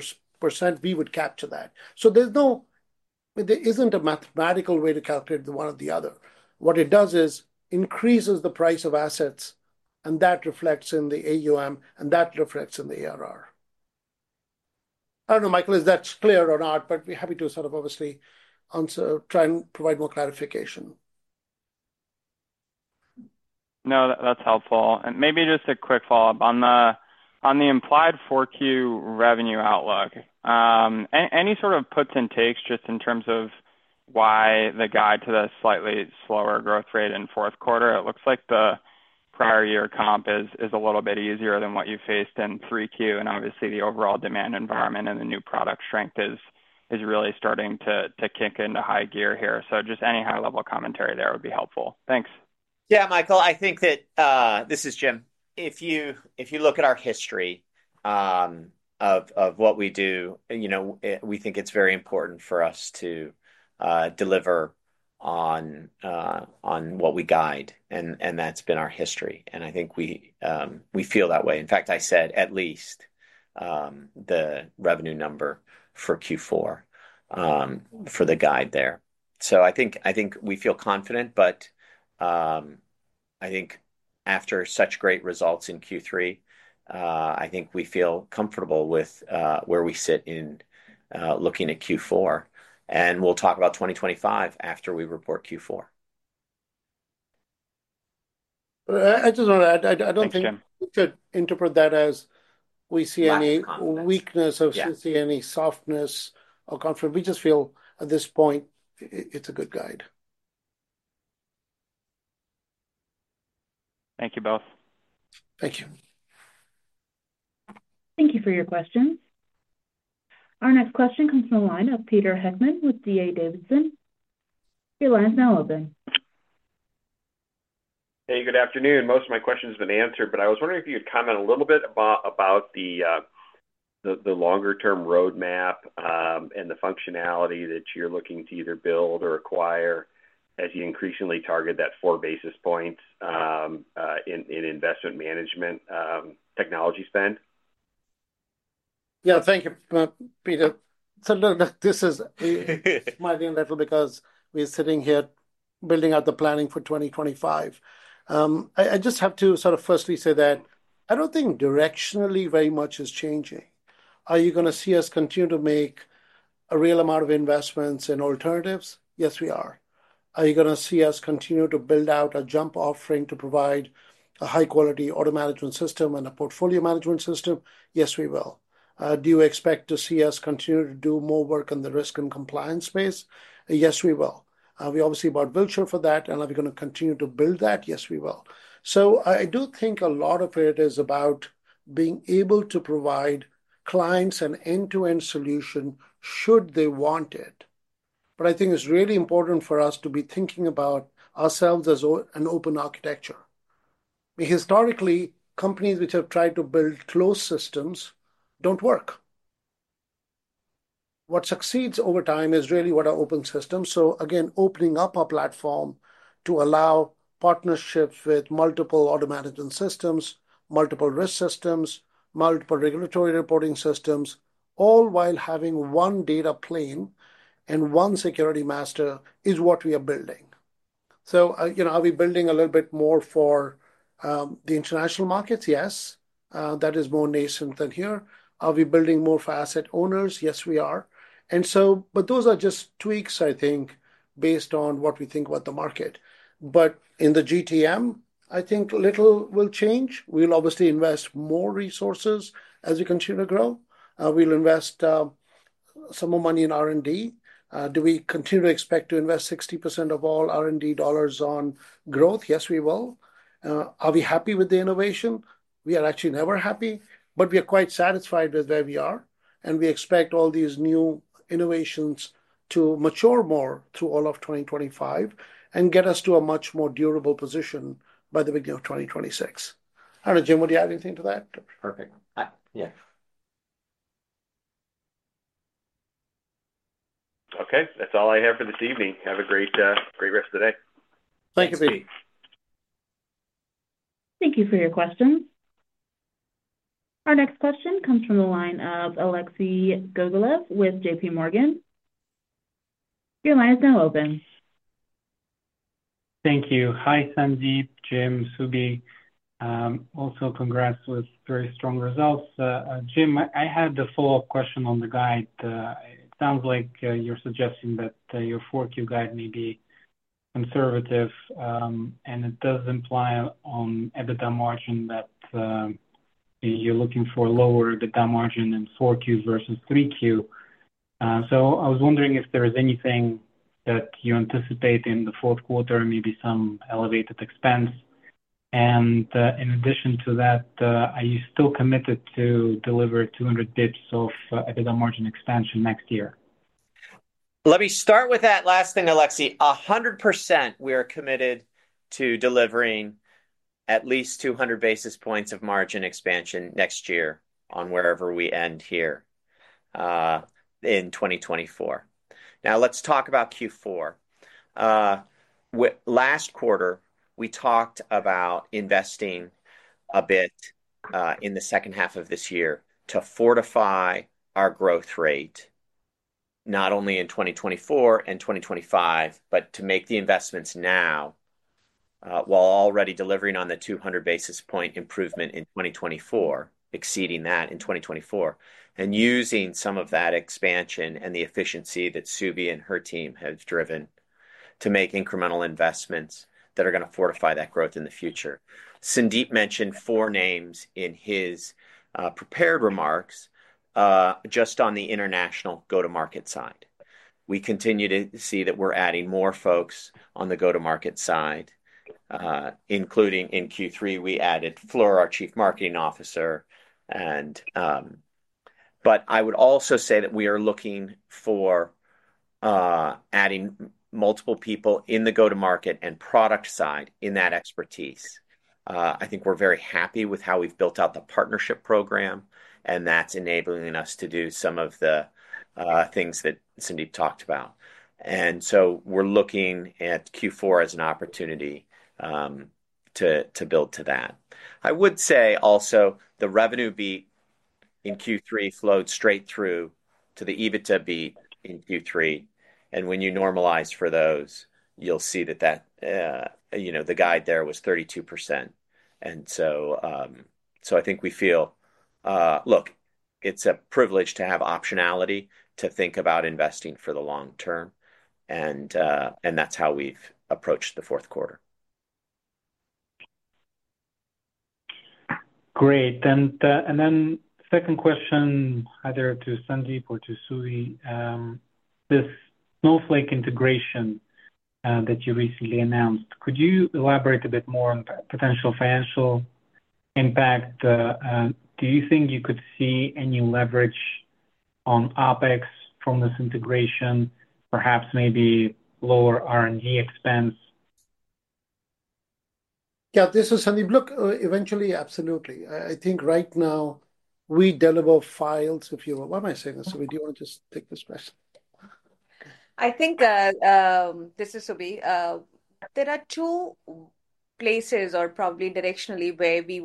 percent, we would capture that. So there isn't a mathematical way to calculate one or the other. What it does is increases the price of assets, and that reflects in the AUM, and that reflects in the ARR. I don't know, Michael, if that's clear or not, but we're happy to sort of obviously try and provide more clarification. No, that's helpful. And maybe just a quick follow-up on the implied 4Q revenue outlook. Any sort of puts and takes just in terms of why the guide to the slightly slower growth rate in fourth quarter? It looks like the prior year comp is a little bit easier than what you faced in 3Q, and obviously, the overall demand environment and the new product strength is really starting to kick into high gear here. So just any high-level commentary there would be helpful. Thanks. Yeah, Michael, I think that this is Jim. If you look at our history of what we do, we think it's very important for us to deliver on what we guide, and that's been our history. And I think we feel that way. In fact, I said at least the revenue number for Q4 for the guide there. So I think we feel confident, but I think after such great results in Q3, I think we feel comfortable with where we sit in looking at Q4. And we'll talk about 2025 after we report Q4. I just want to add, I don't think we should interpret that as we see any weakness or we see any softness or comfort. We just feel at this point, it's a good guide. Thank you both. Thank you. Thank you for your questions. Our next question comes from the line of Peter Heckman with D.A. Davidson. Your line is now open. Hey, good afternoon. Most of my questions have been answered, but I was wondering if you could comment a little bit about the longer-term roadmap and the functionality that you're looking to either build or acquire as you increasingly target that four basis points in investment management technology spend. Yeah, thank you, Peter. It's a little bit, this is smiling a little because we're sitting here building out the planning for 2025. I just have to sort of firstly say that I don't think directionally very much is changing. Are you going to see us continue to make a real amount of investments in alternatives? Yes, we are. Are you going to see us continue to build out a Jump offering to provide a high-quality order management system and a portfolio management system? Yes, we will. Do you expect to see us continue to do more work on the risk and compliance space? Yes, we will. We obviously bought Wilshire for that, and are we going to continue to build that? Yes, we will. So I do think a lot of it is about being able to provide clients an end-to-end solution should they want it. But I think it's really important for us to be thinking about ourselves as an open architecture. Historically, companies which have tried to build closed systems don't work. What succeeds over time is really what are open systems. So again, opening up our platform to allow partnerships with multiple order management systems, multiple risk systems, multiple regulatory reporting systems, all while having one data plane and one security master is what we are building. So are we building a little bit more for the international markets? Yes. That is more nascent than here. Are we building more for asset owners? Yes, we are. But those are just tweaks, I think, based on what we think about the market. But in the GTM, I think little will change. We'll obviously invest more resources as we continue to grow. We'll invest some more money in R&D. Do we continue to expect to invest 60% of all R&D dollars on growth? Yes, we will. Are we happy with the innovation? We are actually never happy, but we are quite satisfied with where we are. And we expect all these new innovations to mature more through all of 2025 and get us to a much more durable position by the beginning of 2026. I don't know, Jim, would you add anything to that? Perfect. Yeah. Okay. That's all I have for this evening. Have a great rest of the day. Thank you, Peter. Thank you for your questions. Our next question comes from the line of Alexei Gogolev with JPMorgan. Your line is now open. Thank you. Hi, Sandeep, Jim, Subi. Also, congrats with very strong results. Jim, I had a follow-up question on the guide. It sounds like you're suggesting that your 4Q guide may be conservative, and it does imply on EBITDA margin that you're looking for a lower EBITDA margin in 4Q versus 3Q. So I was wondering if there is anything that you anticipate in the fourth quarter, maybe some elevated expense. And in addition to that, are you still committed to deliver 200 basis points of EBITDA margin expansion next year? Let me start with that last thing, Alexei. 100%, we are committed to delivering at least 200 basis points of margin expansion next year on wherever we end here in 2024. Now, let's talk about Q4. Last quarter, we talked about investing a bit in the second half of this year to fortify our growth rate, not only in 2024 and 2025, but to make the investments now while already delivering on the 200 basis point improvement in 2024, exceeding that in 2024, and using some of that expansion and the efficiency that Subi and her team have driven to make incremental investments that are going to fortify that growth in the future. Sandeep mentioned four names in his prepared remarks just on the international go-to-market side. We continue to see that we're adding more folks on the go-to-market side, including in Q3, we added Fleur, our Chief Marketing Officer. But I would also say that we are looking for adding multiple people in the go-to-market and product side in that expertise. I think we're very happy with how we've built out the partnership program, and that's enabling us to do some of the things that Sandeep talked about. And so we're looking at Q4 as an opportunity to build to that. I would say also the revenue beat in Q3 flowed straight through to the EBITDA beat in Q3. And when you normalize for those, you'll see that the guide there was 32%. And so I think we feel, look, it's a privilege to have optionality to think about investing for the long term. And that's how we've approached the fourth quarter. Great. And then second question, either to Sandeep or to Subi, this Snowflake integration that you recently announced, could you elaborate a bit more on potential financial impact? Do you think you could see any leverage on OpEx from this integration, perhaps maybe lower R&D expense? Yeah, this is Sandeep. Look, eventually, absolutely. I think right now we deliver files, if you will. Why am I saying this? Subi, do you want to just take this question? I think that this is Subi. There are two places, or probably directionally, where we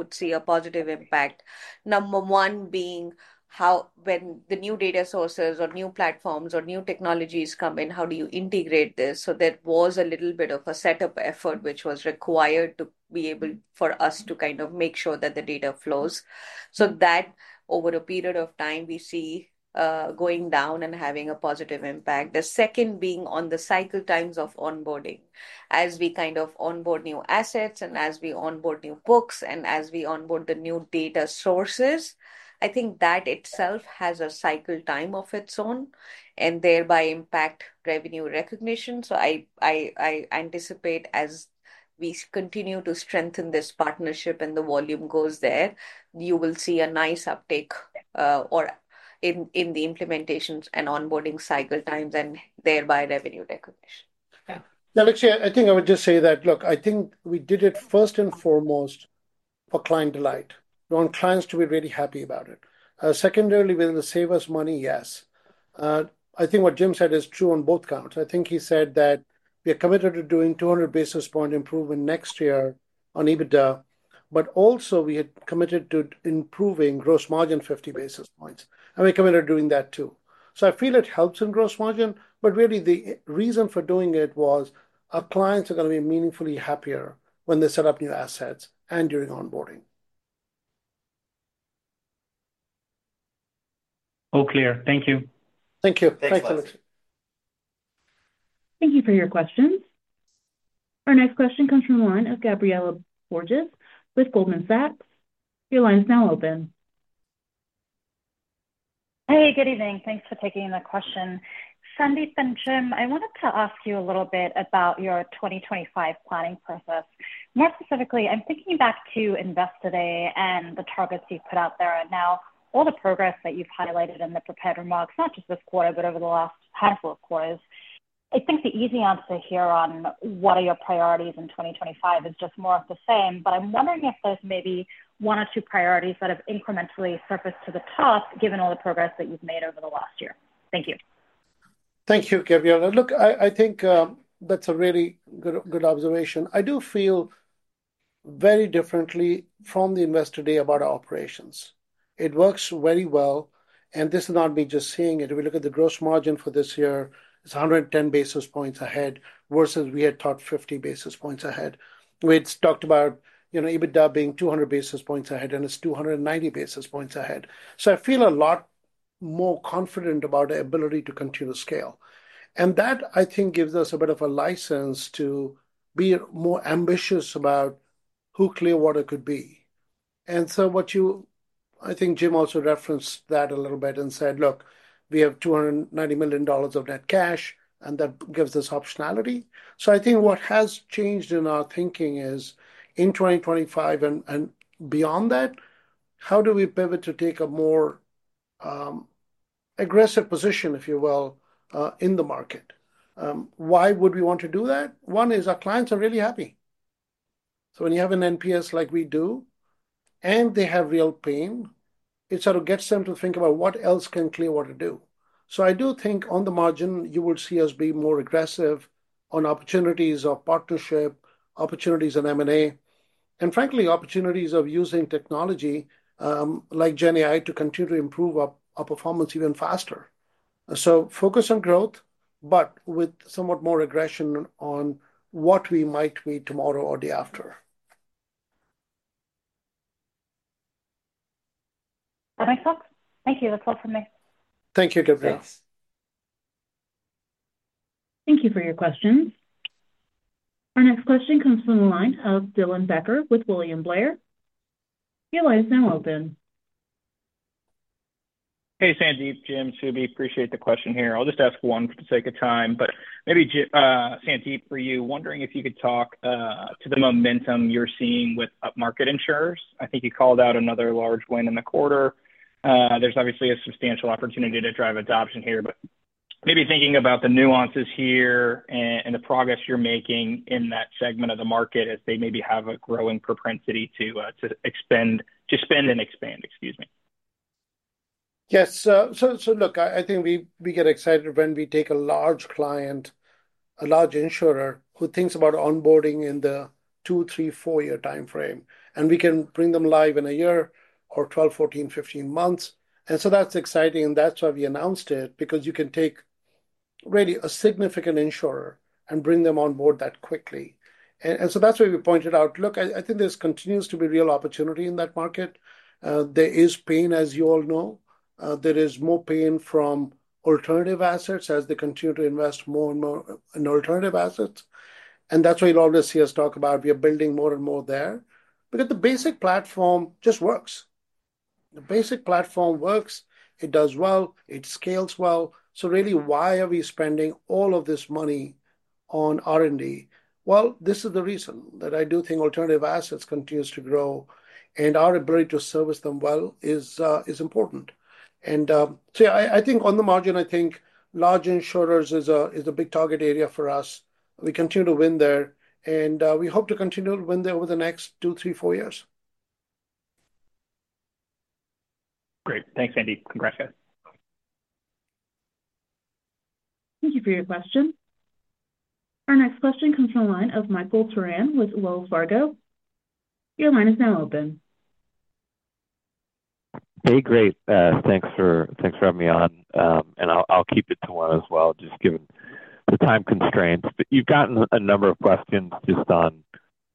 would see a positive impact. Number one being when the new data sources or new platforms or new technologies come in, how do you integrate this? So that was a little bit of a setup effort which was required to be able for us to kind of make sure that the data flows. So that over a period of time, we see going down and having a positive impact. The second being on the cycle times of onboarding. As we kind of onboard new assets and as we onboard new books and as we onboard the new data sources, I think that itself has a cycle time of its own and thereby impact revenue recognition. So I anticipate as we continue to strengthen this partnership and the volume goes there, you will see a nice uptake in the implementations and onboarding cycle times and thereby revenue recognition. Yeah, actually, I think I would just say that, look, I think we did it first and foremost for client delight. We want clients to be really happy about it. Secondarily, will it save us money? Yes. I think what Jim said is true on both counts. I think he said that we are committed to doing 200 basis point improvement next year on EBITDA, but also we had committed to improving gross margin 50 basis points. And we're committed to doing that too. So I feel it helps in gross margin, but really the reason for doing it was our clients are going to be meaningfully happier when they set up new assets and during onboarding. All clear. Thank you. Thank you. Thanks, Alexei. Thank you for your questions. Our next question comes from the line of Gabriela Borges with Goldman Sachs. Your line is now open. Hey, good evening. Thanks for taking the question. Sandeep and Jim, I wanted to ask you a little bit about your 2025 planning process. More specifically, I'm thinking back to Investor Day and the targets you've put out there and now all the progress that you've highlighted in the prepared remarks, not just this quarter, but over the last handful of quarters. I think the easy answer here on what are your priorities in 2025 is just more of the same, but I'm wondering if there's maybe one or two priorities that have incrementally surfaced to the top given all the progress that you've made over the last year? Thank you. Thank you, Gabriela. Look, I think that's a really good observation. I do feel very differently from the guidance today about our operations. It works very well, and this is not me just saying it. If we look at the gross margin for this year, it's 110 basis points ahead versus we had thought 50 basis points ahead. We had talked about EBITDA being 200 basis points ahead, and it's 290 basis points ahead. So I feel a lot more confident about our ability to continue to scale. That, I think, gives us a bit of a license to be more ambitious about who Clearwater could be. So what, I think, Jim also referenced that a little bit and said, "Look, we have $290 million of net cash, and that gives us optionality." I think what has changed in our thinking is in 2025 and beyond that, how do we pivot to take a more aggressive position, if you will, in the market? Why would we want to do that? One is our clients are really happy. So when you have an NPS like we do and they have real pain, it sort of gets them to think about what else can Clearwater do. So I do think on the margin, you would see us be more aggressive on opportunities of partnership, opportunities in M&A, and frankly, opportunities of using technology like GenAI to continue to improve our performance even faster. So focus on growth, but with somewhat more aggression on what we might be tomorrow or the after. That makes sense. Thank you. That's all from me. Thank you, Gabriela. Thanks. Thank you for your questions. Our next question comes from the line of Dylan Becker with William Blair. Your line is now open. Hey, Sandeep, Jim. Subi, appreciate the question here. I'll just ask one for the sake of time, but maybe Sandeep, for you, wondering if you could talk to the momentum you're seeing with upmarket insurers. I think you called out another large win in the quarter. There's obviously a substantial opportunity to drive adoption here, but maybe thinking about the nuances here and the progress you're making in that segment of the market as they maybe have a growing propensity to spend and expand, excuse me. Yes. So look, I think we get excited when we take a large client, a large insurer who thinks about onboarding in the two, three, four-year timeframe, and we can bring them live in a year or 12, 14, 15 months, and so that's exciting, and that's why we announced it, because you can take really a significant insurer and bring them on board that quickly, and so that's why we pointed out, look, I think there continues to be real opportunity in that market. There is pain, as you all know. There is more pain from alternative assets as they continue to invest more and more in alternative assets. And that's why you'll always see us talk about we are building more and more there because the basic platform just works. The basic platform works. It does well. It scales well. So really, why are we spending all of this money on R&D? Well, this is the reason that I do think alternative assets continue to grow, and our ability to service them well is important. And so yeah, I think on the margin, I think large insurers is a big target area for us. We continue to win there, and we hope to continue to win there over the next two, three, four years. Great. Thanks, Sandeep. Congrats. Thank you for your question. Our next question comes from the line of Michael Turrin with Wells Fargo. Your line is now open. Hey, great. Thanks for having me on. And I'll keep it to one as well, just given the time constraints. But you've gotten a number of questions just on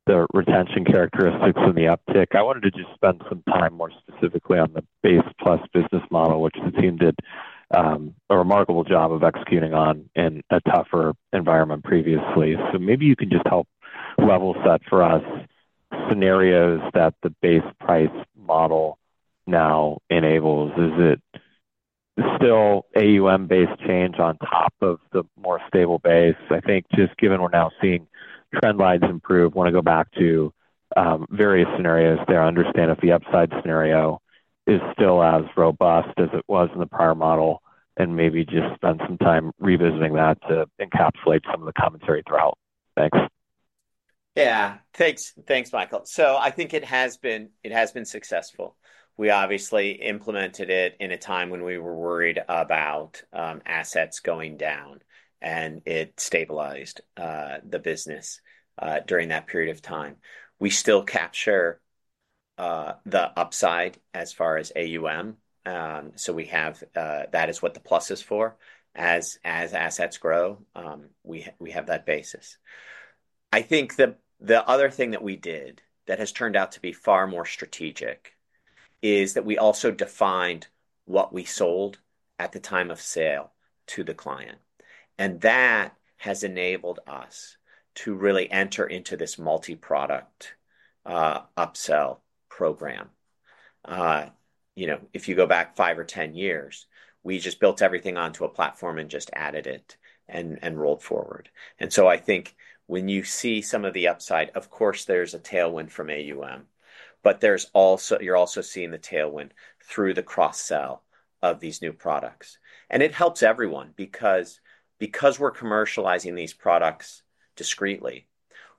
the retention characteristics and the uptick. I wanted to just spend some time more specifically on the base-plus business model, which the team did a remarkable job of executing on in a tougher environment previously. So maybe you can just help level set for us scenarios that the base-plus model now enables. Is it still AUM-based change on top of the more stable base? I think just given we're now seeing trend lines improve, want to go back to various scenarios there, understand if the upside scenario is still as robust as it was in the prior model, and maybe just spend some time revisiting that to encapsulate some of the commentary throughout. Thanks. Yeah. Thanks, Michael. So I think it has been successful. We obviously implemented it in a time when we were worried about assets going down, and it stabilized the business during that period of time. We still capture the upside as far as AUM, so that is what the plus is for. As assets grow, we have that basis. I think the other thing that we did that has turned out to be far more strategic is that we also defined what we sold at the time of sale to the client, and that has enabled us to really enter into this multi-product upsell program. If you go back five or ten years, we just built everything onto a platform and just added it and rolled forward, and so I think when you see some of the upside, of course, there's a tailwind from AUM, but you're also seeing the tailwind through the cross-sell of these new products. And it helps everyone because we're commercializing these products discreetly.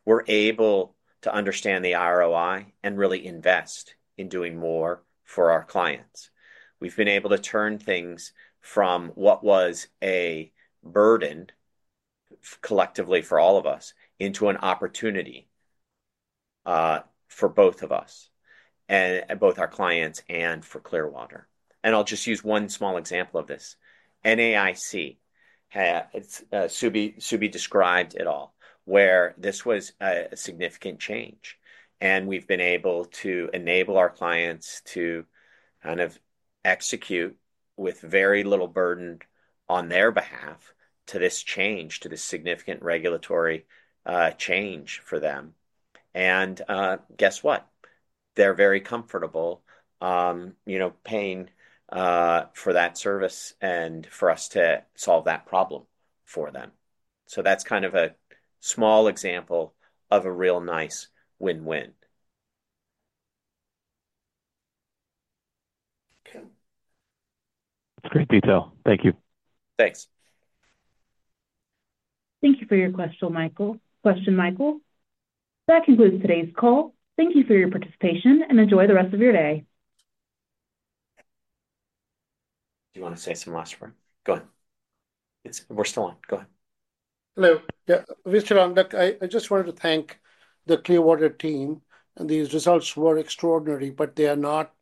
We're able to understand the ROI and really invest in doing more for our clients. We've been able to turn things from what was a burden collectively for all of us into an opportunity for both of us, both our clients and for Clearwater. And I'll just use one small example of this. NAIC, Subi described it all, where this was a significant change. And we've been able to enable our clients to kind of execute with very little burden on their behalf to this change, to this significant regulatory change for them. And guess what? They're very comfortable paying for that service and for us to solve that problem for them. So that's kind of a small example of a real nice win-win. Okay. That's great detail. Thank you. Thanks. Thank you for your question, Michael. Question, Michael. That concludes today's call. Thank you for your participation and enjoy the rest of your day. Do you want to say something last word? Go ahead. We're still on. Go ahead. Hello. Mr. Joon, I just wanted to thank the Clearwater team. These results were extraordinary, but they are not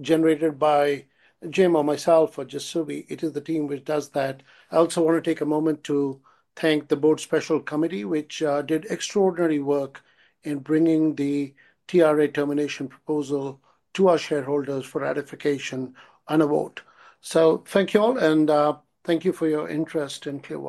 generated by Jim or myself or just Subi. It is the team which does that. I also want to take a moment to thank the Board Special Committee, which did extraordinary work in bringing the TRA termination proposal to our shareholders for ratification on a vote. So thank you all, and thank you for your interest in Clearwater.